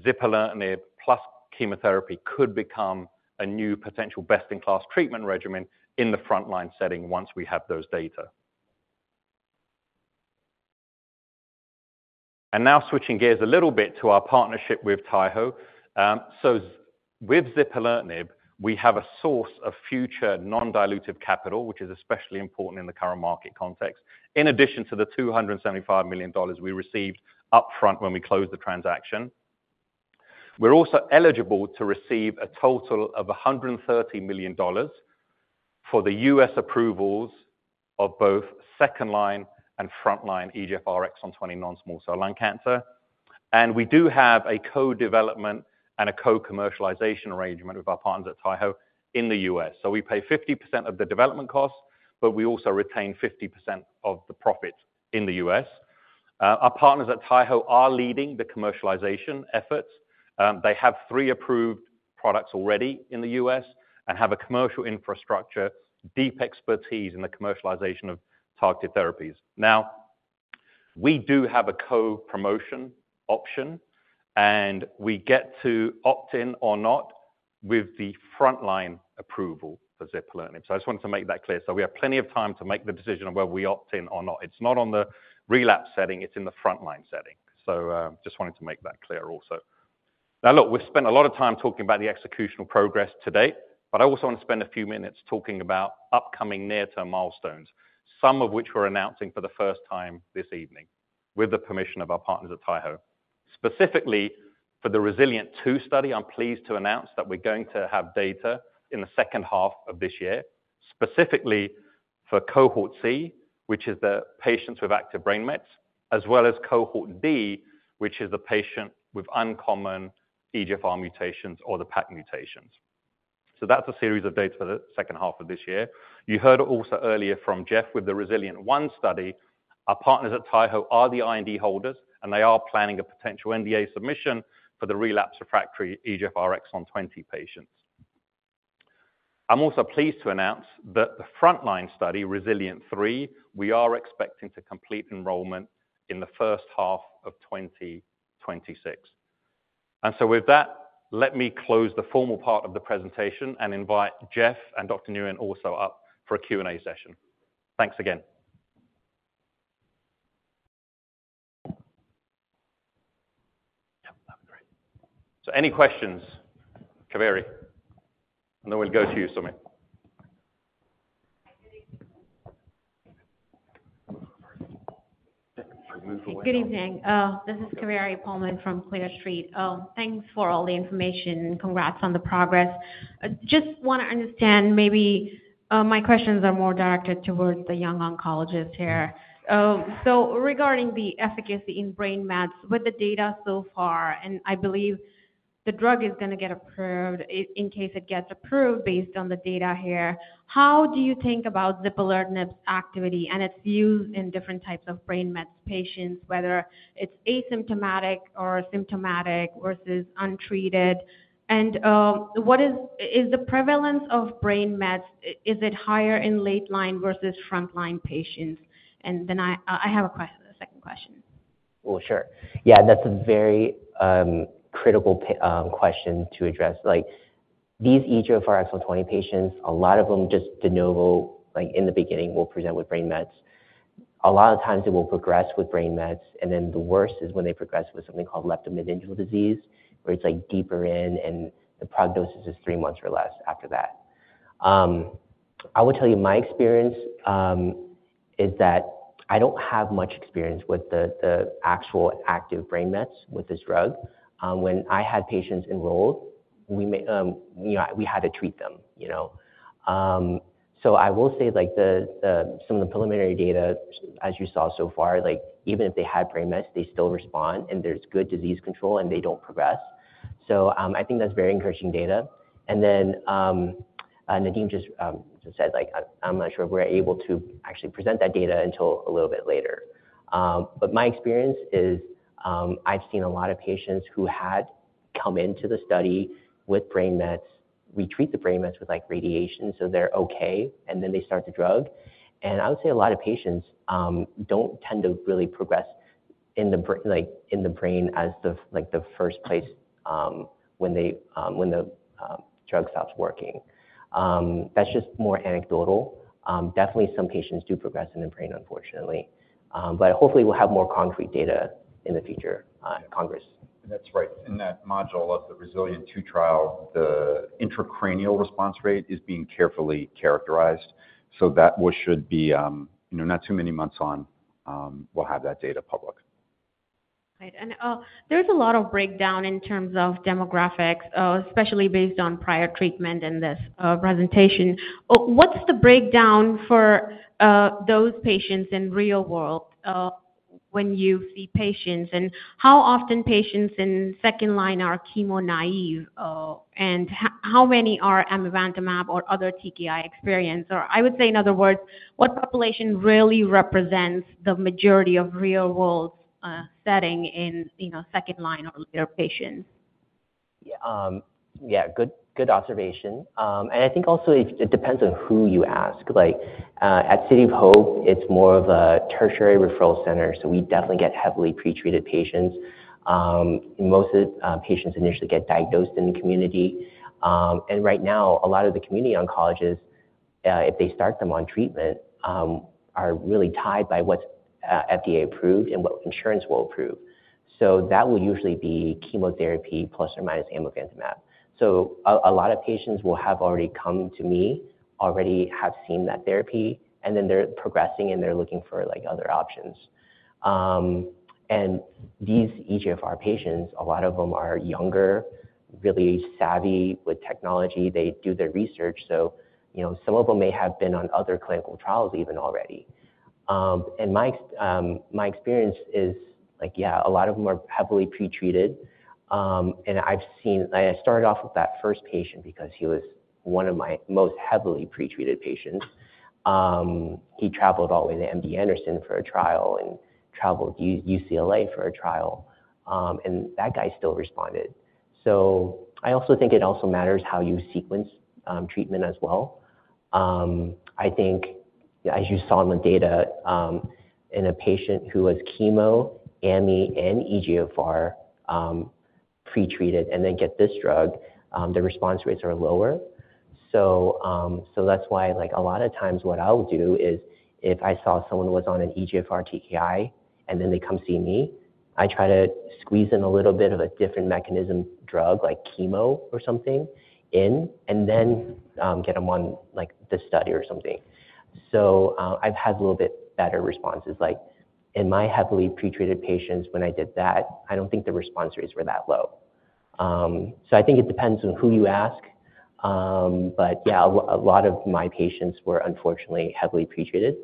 zipalertinib plus chemotherapy could become a new potential best-in-class treatment regimen in the front line setting once we have those data. Now switching gears a little bit to our partnership with Taiho. With zipalertinib, we have a source of future non-dilutive capital, which is especially important in the current market context, in addition to the $275 million we received upfront when we closed the transaction. We're also eligible to receive a total of $130 million for the U.S. approvals of both second line and front line EGFR exon 20 non-small cell lung cancer. We do have a co-development and a co-commercialization arrangement with our partners at Taiho in the U.S. We pay 50% of the development costs, but we also retain 50% of the profits in the U.S. Our partners at Taiho are leading the commercialization efforts. They have three approved products already in the U.S. and have a commercial infrastructure, deep expertise in the commercialization of targeted therapies. Now, we do have a co-promotion option, and we get to opt in or not with the front line approval for zipalertinib. I just wanted to make that clear. We have plenty of time to make the decision of whether we opt in or not. It's not on the relapse setting. It's in the front line setting. I just wanted to make that clear also. Now, look, we've spent a lot of time talking about the executional progress to date, but I also want to spend a few minutes talking about upcoming near-term milestones, some of which we're announcing for the first time this evening with the permission of our partners at Taiho. Specifically, for the REZILIENT2 study, I'm pleased to announce that we're going to have data in the second half of this year, specifically for cohort C, which is the patients with active brain mets, as well as cohort D, which is the patients with uncommon EGFR mutations or the PAC mutations. That is a series of dates for the second half of this year. You heard also earlier from Jeff with the REZILIENT1 study. Our partners at Taiho are the IND holders, and they are planning a potential NDA submission for the relapsed refractory EGFR exon 20 patients. I'm also pleased to announce that the frontline study, REZILIENT3, we are expecting to complete enrollment in the first half of 2026. With that, let me close the formal part of the presentation and invite Jeff and Dr. Nguyen also up for a Q&A session. Thanks again. Any questions, Kaveri? Then we'll go to you, Sumit. Good evening. This is Kaveri Pohlman from Clear Street. Thanks for all the information. Congrats on the progress. Just want to understand, maybe my questions are more directed towards the young oncologists here. Regarding the efficacy in brain mets, with the data so far, and I believe the drug is going to get approved in case it gets approved based on the data here, how do you think about zipalertinib's activity and its use in different types of brain mets patients, whether it's asymptomatic or symptomatic versus untreated? Is the prevalence of brain mets higher in late line versus front line patients? I have a second question. Yeah, that's a very critical question to address. These EGFR exon 20 patients, a lot of them just de novo, in the beginning, will present with brain mets. A lot of times, it will progress with brain mets. The worst is when they progress with something called leptomeningeal disease, where it's deeper in, and the prognosis is three months or less after that. I will tell you my experience is that I don't have much experience with the actual active brain mets with this drug. When I had patients enrolled, we had to treat them. I will say some of the preliminary data, as you saw so far, even if they had brain mets, they still respond, and there's good disease control, and they don't progress. I think that's very encouraging data. Nadim just said, "I'm not sure we're able to actually present that data until a little bit later." My experience is I've seen a lot of patients who had come into the study with brain mets. We treat the brain mets with radiation, so they're okay, and then they start the drug. I would say a lot of patients don't tend to really progress in the brain as the first place when the drug stops working. That's just more anecdotal. Definitely, some patients do progress in the brain, unfortunately. Hopefully, we'll have more concrete data in the future at Congress. That's right. In that module of the RESILIENT TWO trial, the intracranial response rate is being carefully characterized. That should be not too many months on, we'll have that data public. Right. There is a lot of breakdown in terms of demographics, especially based on prior treatment in this presentation. What is the breakdown for those patients in real world when you see patients? How often are patients in second line chemo naive? How many are Amivantamab or other TKI experienced? I would say, in other words, what population really represents the majority of real-world setting in second line or later patients? Yeah, good observation. I think also it depends on who you ask. At City of Hope, it is more of a tertiary referral center, so we definitely get heavily pretreated patients. Most of the patients initially get diagnosed in the community. Right now, a lot of the community oncologists, if they start them on treatment, are really tied by what is FDA approved and what insurance will approve. That will usually be chemotherapy plus or minus Amivantamab. A lot of patients will have already come to me, already have seen that therapy, and then they're progressing, and they're looking for other options. These EGFR patients, a lot of them are younger, really savvy with technology. They do their research. Some of them may have been on other clinical trials even already. My experience is, yeah, a lot of them are heavily pretreated. I started off with that first patient because he was one of my most heavily pretreated patients. He traveled all the way to MD Anderson for a trial and traveled to UCLA for a trial. That guy still responded. I also think it also matters how you sequence treatment as well. I think, as you saw in the data, in a patient who was chemo, amivantamab, and EGFR pretreated, and then get this drug, the response rates are lower. That's why a lot of times what I'll do is if I saw someone was on an EGFR TKI, and then they come see me, I try to squeeze in a little bit of a different mechanism drug, like chemo or something, in, and then get them on the study or something. I've had a little bit better responses. In my heavily pretreated patients, when I did that, I don't think the response rates were that low. I think it depends on who you ask. Yeah, a lot of my patients were unfortunately heavily pretreated.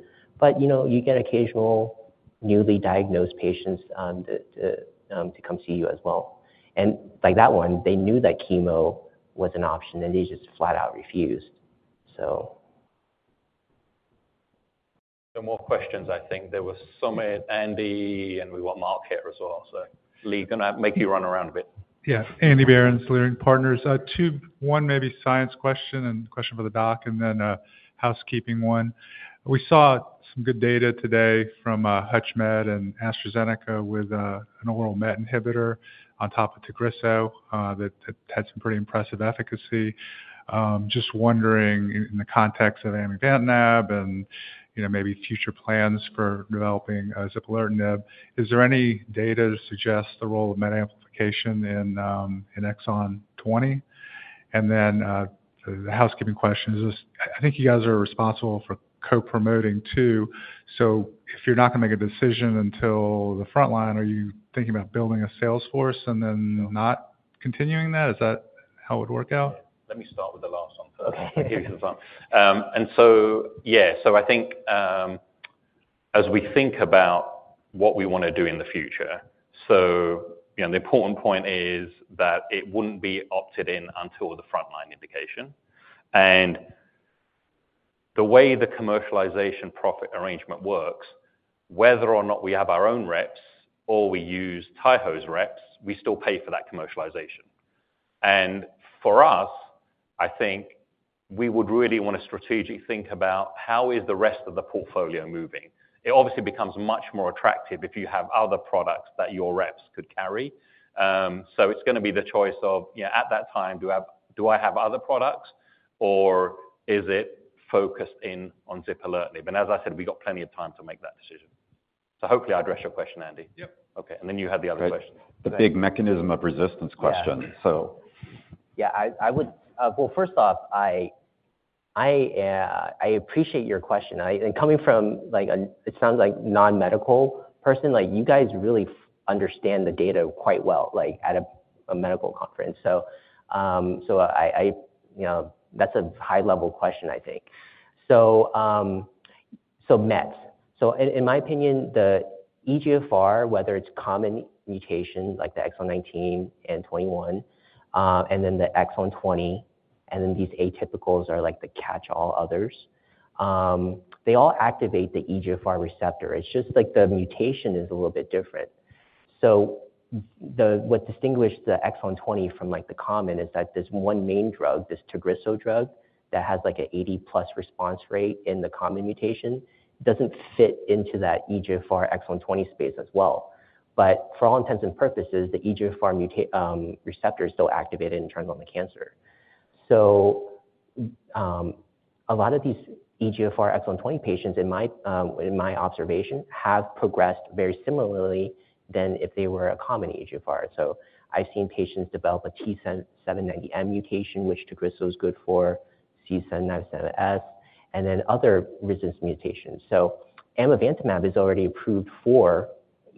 You get occasional newly diagnosed patients to come see you as well. That one, they knew that chemo was an option, and they just flat out refused, so. No more questions, I think. There was Sumit and Andy, and we were Mark here as well. Lee's going to make you run around a bit. Yeah. Andrew Berens with Leerink Partners. One maybe science question and question for the doc, and then a housekeeping one. We saw some good data today from Hutchmed and AstraZeneca with an oral MET inhibitor on top of Tagrisso that had some pretty impressive efficacy. Just wondering, in the context of Amivantamab and maybe future plans for developing zipalertinib, is there any data to suggest the role of MET amplification in exon 20? The housekeeping question is, I think you guys are responsible for co-promoting too. If you're not going to make a decision until the front line, are you thinking about building a salesforce and then not continuing that? Is that how it would work out? Let me start with the last one. Yeah. I think as we think about what we want to do in the future, the important point is that it wouldn't be opted in until the front line indication. The way the commercialization profit arrangement works, whether or not we have our own reps or we use Taiho's reps, we still pay for that commercialization. For us, I think we would really want to strategically think about how the rest of the portfolio is moving. It obviously becomes much more attractive if you have other products that your reps could carry. It's going to be the choice of, at that time, do I have other products, or is it focused in on zipalertinib? As I said, we got plenty of time to make that decision. Hopefully, I addressed your question, Andy. Yep. You had the other question, the big mechanism of resistance question. Yeah. First off, I appreciate your question. Coming from, it sounds like, non-medical person, you guys really understand the data quite well at a medical conference. That's a high-level question, I think. Mets. In my opinion, the EGFR, whether it's common mutation like the exon 19 and 21, and then the exon 20, and then these atypicals are the catch-all others, they all activate the EGFR receptor. It's just the mutation is a little bit different. What distinguishes the exon 20 from the common is that this one main drug, this Tagrisso drug that has an 80% plus response rate in the common mutation, does not fit into that EGFR exon 20 space as well. For all intents and purposes, the EGFR receptor is still activated and turned on the cancer. A lot of these EGFR exon 20 patients, in my observation, have progressed very similarly than if they were a common EGFR. I have seen patients develop a T790M mutation, which Tagrisso is good for, C797S, and then other resistance mutations. Amivantamab is already approved for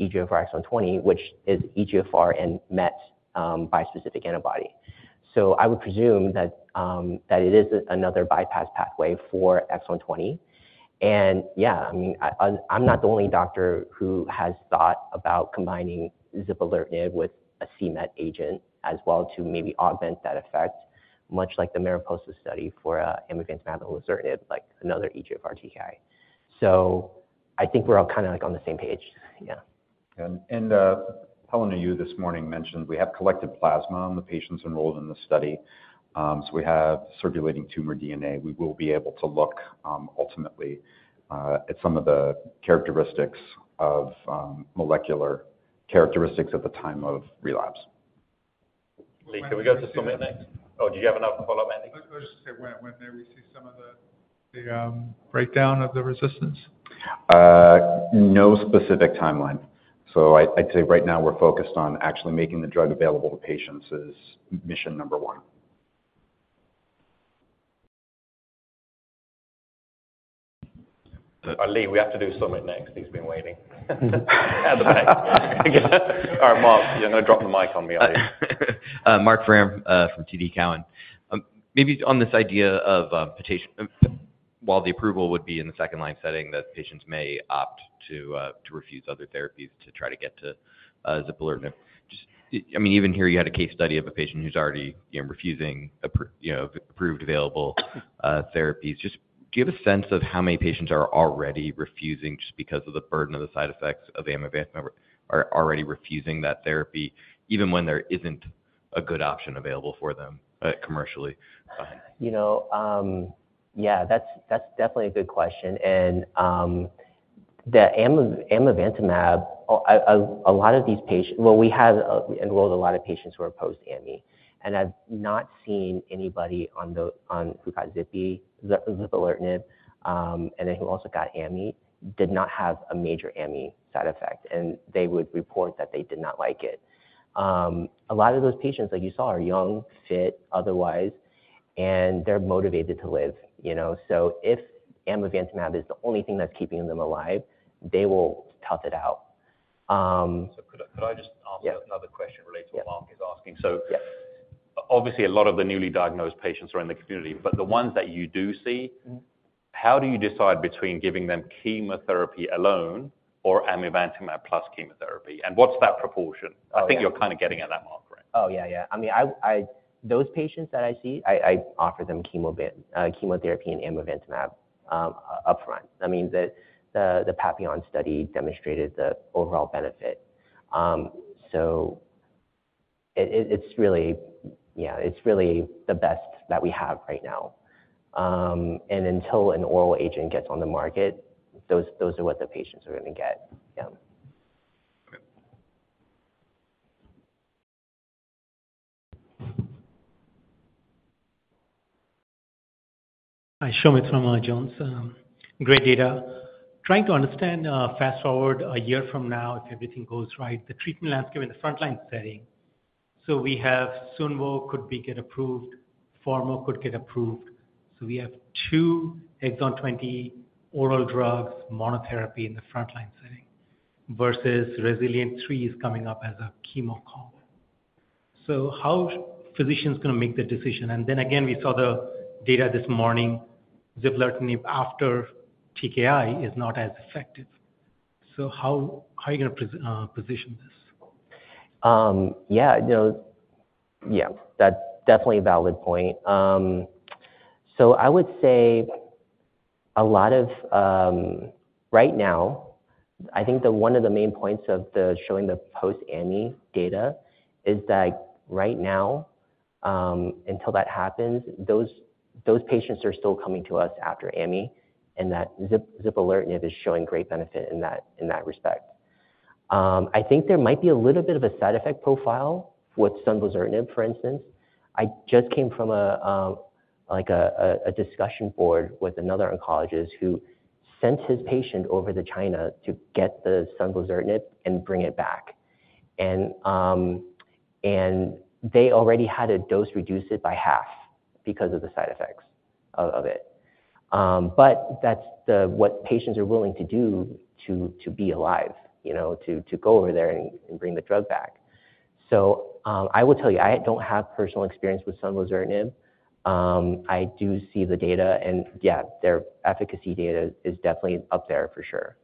EGFR exon 20, which is EGFR and MET bispecific antibody. I would presume that it is another bypass pathway for exon 20. Yeah, I mean, I'm not the only doctor who has thought about combining zipalertinib with a CMET agent as well to maybe augment that effect, much like the Mariposa study for amivantamab and lazertinib, like another EGFR TKI. I think we're all kind of on the same page. Pullman, you this morning mentioned we have collected plasma on the patients enrolled in the study. We have circulating tumor DNA. We will be able to look ultimately at some of the characteristics, molecular characteristics at the time of relapse. Lee, can we go to Sumit next? Oh, did you have enough to follow up, Andy? I was just going to say, when may we see some of the breakdown of the resistance? No specific timeline. I'd say right now, we're focused on actually making the drug available to patients is mission number one. Lee, we have to do Sumit next. He's been waiting. All right, Mark, you're going to drop the mic on me, I think. Mark Frahm from TD Cowen. Maybe on this idea of, while the approval would be in the second line setting, that patients may opt to refuse other therapies to try to get to zipalertinib. I mean, even here, you had a case study of a patient who's already refusing approved available therapies. Just do you have a sense of how many patients are already refusing just because of the burden of the side effects of amivantamab, are already refusing that therapy even when there isn't a good option available for them commercially? Yeah, that's definitely a good question. And the amivantamab, a lot of these patients, well, we had enrolled a lot of patients who are post-ami. I've not seen anybody who got zipalertinib, and then who also got ami, did not have a major ami side effect. They would report that they did not like it. A lot of those patients, like you saw, are young, fit, otherwise, and they're motivated to live. If Amivantamab is the only thing that's keeping them alive, they will tough it out. Could I just ask another question related to what Mark is asking? Obviously, a lot of the newly diagnosed patients are in the community. The ones that you do see, how do you decide between giving them chemotherapy alone or Amivantamab plus chemotherapy? What's that proportion? I think you're kind of getting at that, Mark, right? Oh, yeah, yeah. Those patients that I see, I offer them chemotherapy and Amivantamab upfront. I mean, the PAPILLON study demonstrated the overall benefit. Yeah, it's really the best that we have right now. Until an oral agent gets on the market, those are what the patients are going to get. Yeah. Okay. Hi, Shomit from Johns. Great data. Trying to understand, fast forward a year from now, if everything goes right, the treatment landscape in the front line setting. We have Sunvo, could get approved. Pharmo could get approved. We have two exon 20 oral drugs, monotherapy in the front line setting versus REZILIENT3 is coming up as a chemo comp. How are physicians going to make the decision? Then again, we saw the data this morning, zipalertinib after TKI is not as effective. How are you going to position this? Yeah. Yeah, that's definitely a valid point. I would say a lot of right now, I think one of the main points of showing the post-ami data is that right now, until that happens, those patients are still coming to us after ami, and that zipalertinib is showing great benefit in that respect. I think there might be a little bit of a side effect profile with sunvozertinib, for instance. I just came from a discussion board with another oncologist who sent his patient over to China to get the sunvozertinib and bring it back. They already had to dose reduce it by half because of the side effects of it. That is what patients are willing to do to be alive, to go over there and bring the drug back. I will tell you, I do not have personal experience with sunvozertinib. I do see the data. Yeah, their efficacy data is definitely up there for sure.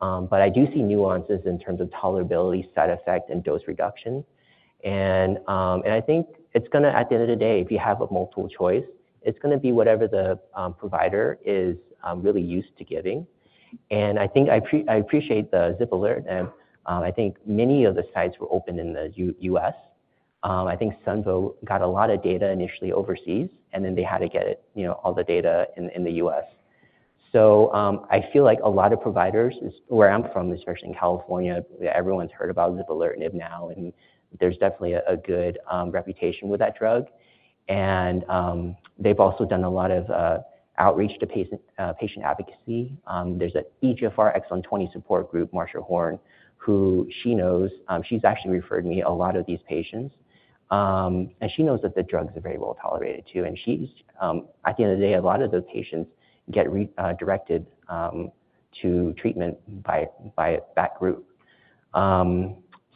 I do see nuances in terms of tolerability, side effect, and dose reduction. I think it's going to, at the end of the day, if you have a multiple choice, it's going to be whatever the provider is really used to giving. I appreciate the zipalertinib. I think many of the sites were open in the U.S. I think Sunvo got a lot of data initially overseas, and then they had to get all the data in the U.S. I feel like a lot of providers, where I'm from, especially in California, everyone's heard about zipalertinib now. There's definitely a good reputation with that drug. They've also done a lot of outreach to patient advocacy. There's an EGFR exon 20 support group, Marsha Horn, who she knows. She's actually referred me a lot of these patients. She knows that the drugs are very well tolerated too. At the end of the day, a lot of those patients get directed to treatment by that group.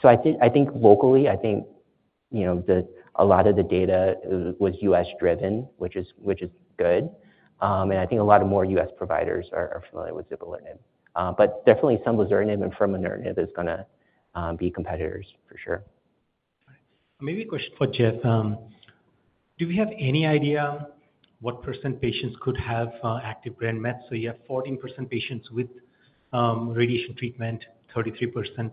I think locally, a lot of the data was U.S.-driven, which is good. I think a lot more U.S. providers are familiar with zipalertinib. Definitely, Sunvozertinib and furmonertinib are going to be competitors for sure. Maybe a question for Jeff. Do we have any idea what percent patients could have active brain mets? You have 14% patients with radiation treatment, 33%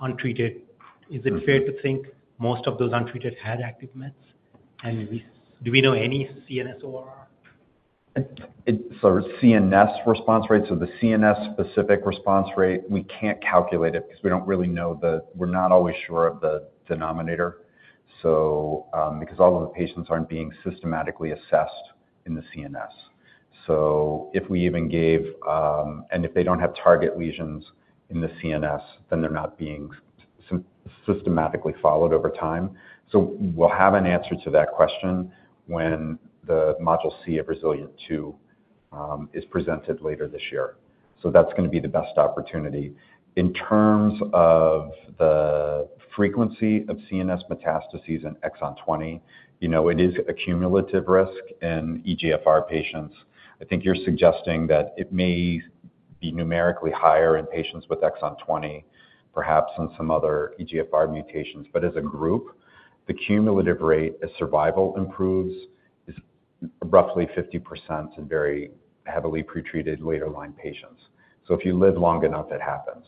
untreated. Is it fair to think most of those untreated had active mets? Do we know any CNSOR? CNS response rate, so the CNS-specific response rate, we can't calculate it because we don't really know the—we're not always sure of the denominator because all of the patients aren't being systematically assessed in the CNS. If we even gave, and if they don't have target lesions in the CNS, then they're not being systematically followed over time. We'll have an answer to that question when the module C of REZILIENT2 is presented later this year. That's going to be the best opportunity. In terms of the frequency of CNS metastases in exon 20, it is a cumulative risk in EGFR patients. I think you're suggesting that it may be numerically higher in patients with exon 20, perhaps in some other EGFR mutations. As a group, the cumulative rate as survival improves is roughly 50% in very heavily pretreated later-line patients. If you live long enough, it happens.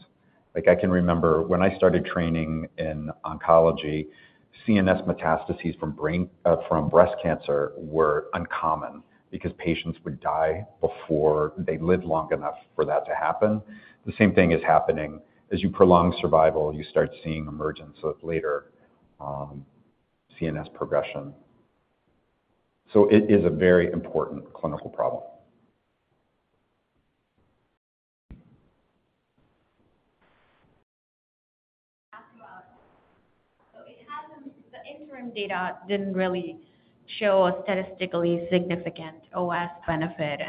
I can remember when I started training in oncology, CNS metastases from breast cancer were uncommon because patients would die before they lived long enough for that to happen. The same thing is happening. As you prolong survival, you start seeing emergence of later CNS progression. It is a very important clinical problem. The interim data did not really show a statistically significant OS benefit.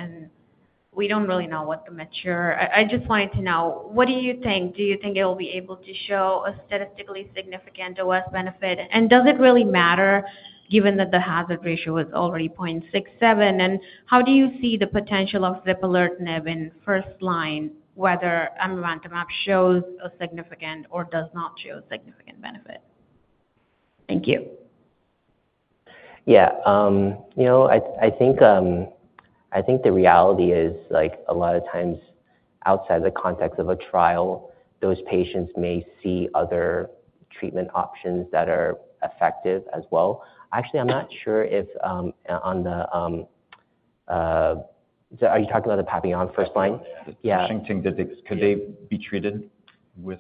We do not really know what the mature—I just wanted to know, what do you think? Do you think it will be able to show a statistically significant OS benefit? Does it really matter given that the hazard ratio is already 0.67? How do you see the potential of zipalertinib in first line, whether amivantamab shows a significant or does not show a significant benefit? Thank you. Yeah. I think the reality is, a lot of times, outside the context of a trial, those patients may see other treatment options that are effective as well. Actually, I'm not sure if on the are you talking about the PAPILLON first line? Yeah. Could they be treated with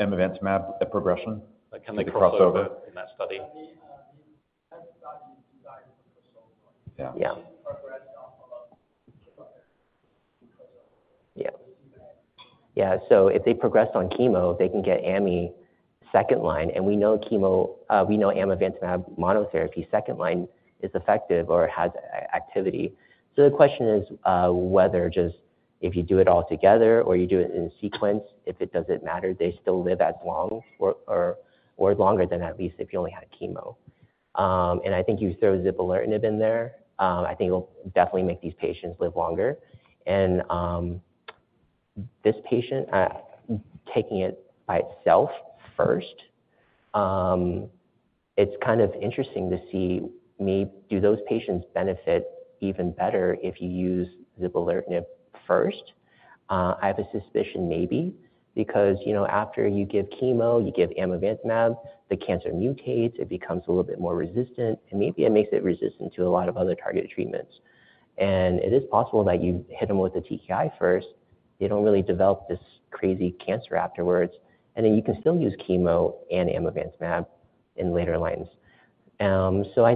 Amivantamab at progression? Like a crossover in that study? Yeah. Yeah. If they progressed on chemo, they can get Ami second line. And we know Amivantamab monotherapy second line is effective or has activity. The question is whether just if you do it all together or you do it in sequence, if it doesn't matter, they still live as long or longer than at least if you only had chemo. I think you throw zipalertinib in there. I think it'll definitely make these patients live longer. This patient, taking it by itself first, it's kind of interesting to see do those patients benefit even better if you use zipalertinib first. I have a suspicion maybe because after you give chemo, you give amivantamab, the cancer mutates. It becomes a little bit more resistant. Maybe it makes it resistant to a lot of other targeted treatments. It is possible that you hit them with the TKI first. They do not really develop this crazy cancer afterwards. You can still use chemo and amivantamab in later lines. I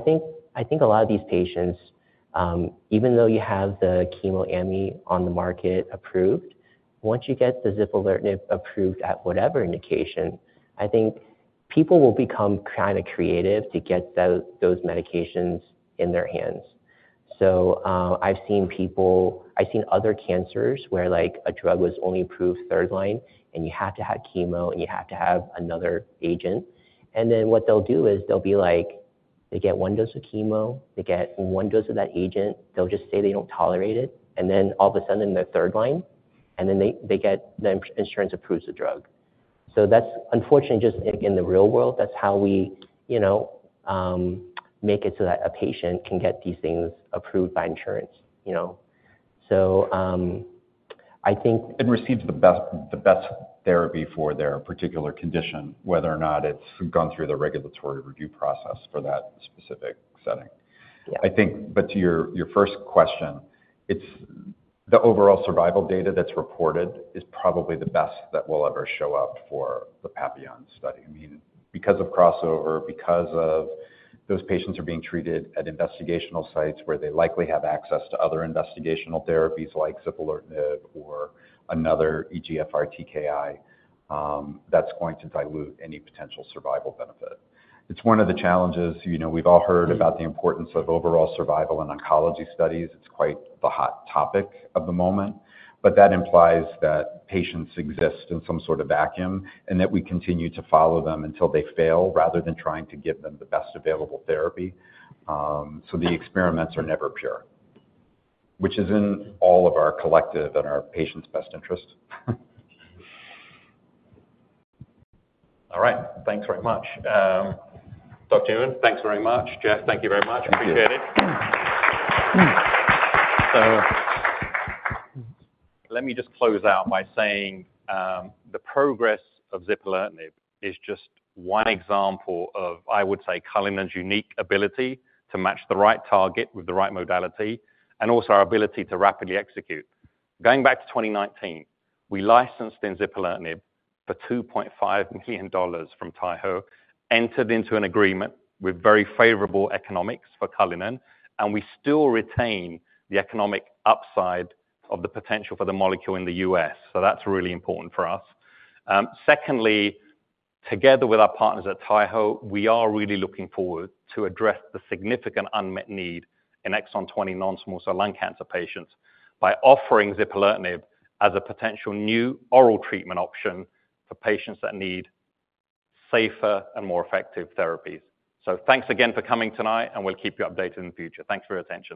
think a lot of these patients, even though you have the chemo ami on the market approved, once you get the zipalertinib approved at whatever indication, I think people will become kind of creative to get those medications in their hands. I've seen other cancers where a drug was only approved third line, and you have to have chemo, and you have to have another agent. What they'll do is they get one dose of chemo, they get one dose of that agent, they'll just say they don't tolerate it. All of a sudden, in their third line, and then the insurance approves the drug. That's, unfortunately, just in the real world, that's how we make it so that a patient can get these things approved by insurance. I think, and receives the best therapy for their particular condition, whether or not it's gone through the regulatory review process for that specific setting. To your first question, the overall survival data that's reported is probably the best that will ever show up for the PAPILLON study. I mean, because of crossover, because those patients are being treated at investigational sites where they likely have access to other investigational therapies like zipalertinib or another EGFR TKI, that's going to dilute any potential survival benefit. It's one of the challenges. We've all heard about the importance of overall survival in oncology studies. It's quite the hot topic of the moment. That implies that patients exist in some sort of vacuum and that we continue to follow them until they fail rather than trying to give them the best available therapy. The experiments are never pure, which is in all of our collective and our patients' best interest. All right. Thanks very much. Dr. Owen, thanks very much. Jeff, thank you very much. Appreciate it. Let me just close out by saying the progress of zipalertinib is just one example of, I would say, Cullinan's unique ability to match the right target with the right modality and also our ability to rapidly execute. Going back to 2019, we licensed in zipalertinib for $2.5 million from Taiho, entered into an agreement with very favorable economics for Cullinan, and we still retain the economic upside of the potential for the molecule in the U.S. That's really important for us. Secondly, together with our partners at Taiho, we are really looking forward to address the significant unmet need in exon 20 non-small cell lung cancer patients by offering zipalertinib as a potential new oral treatment option for patients that need safer and more effective therapies. Thanks again for coming tonight, and we'll keep you updated in the future. Thanks for your attention.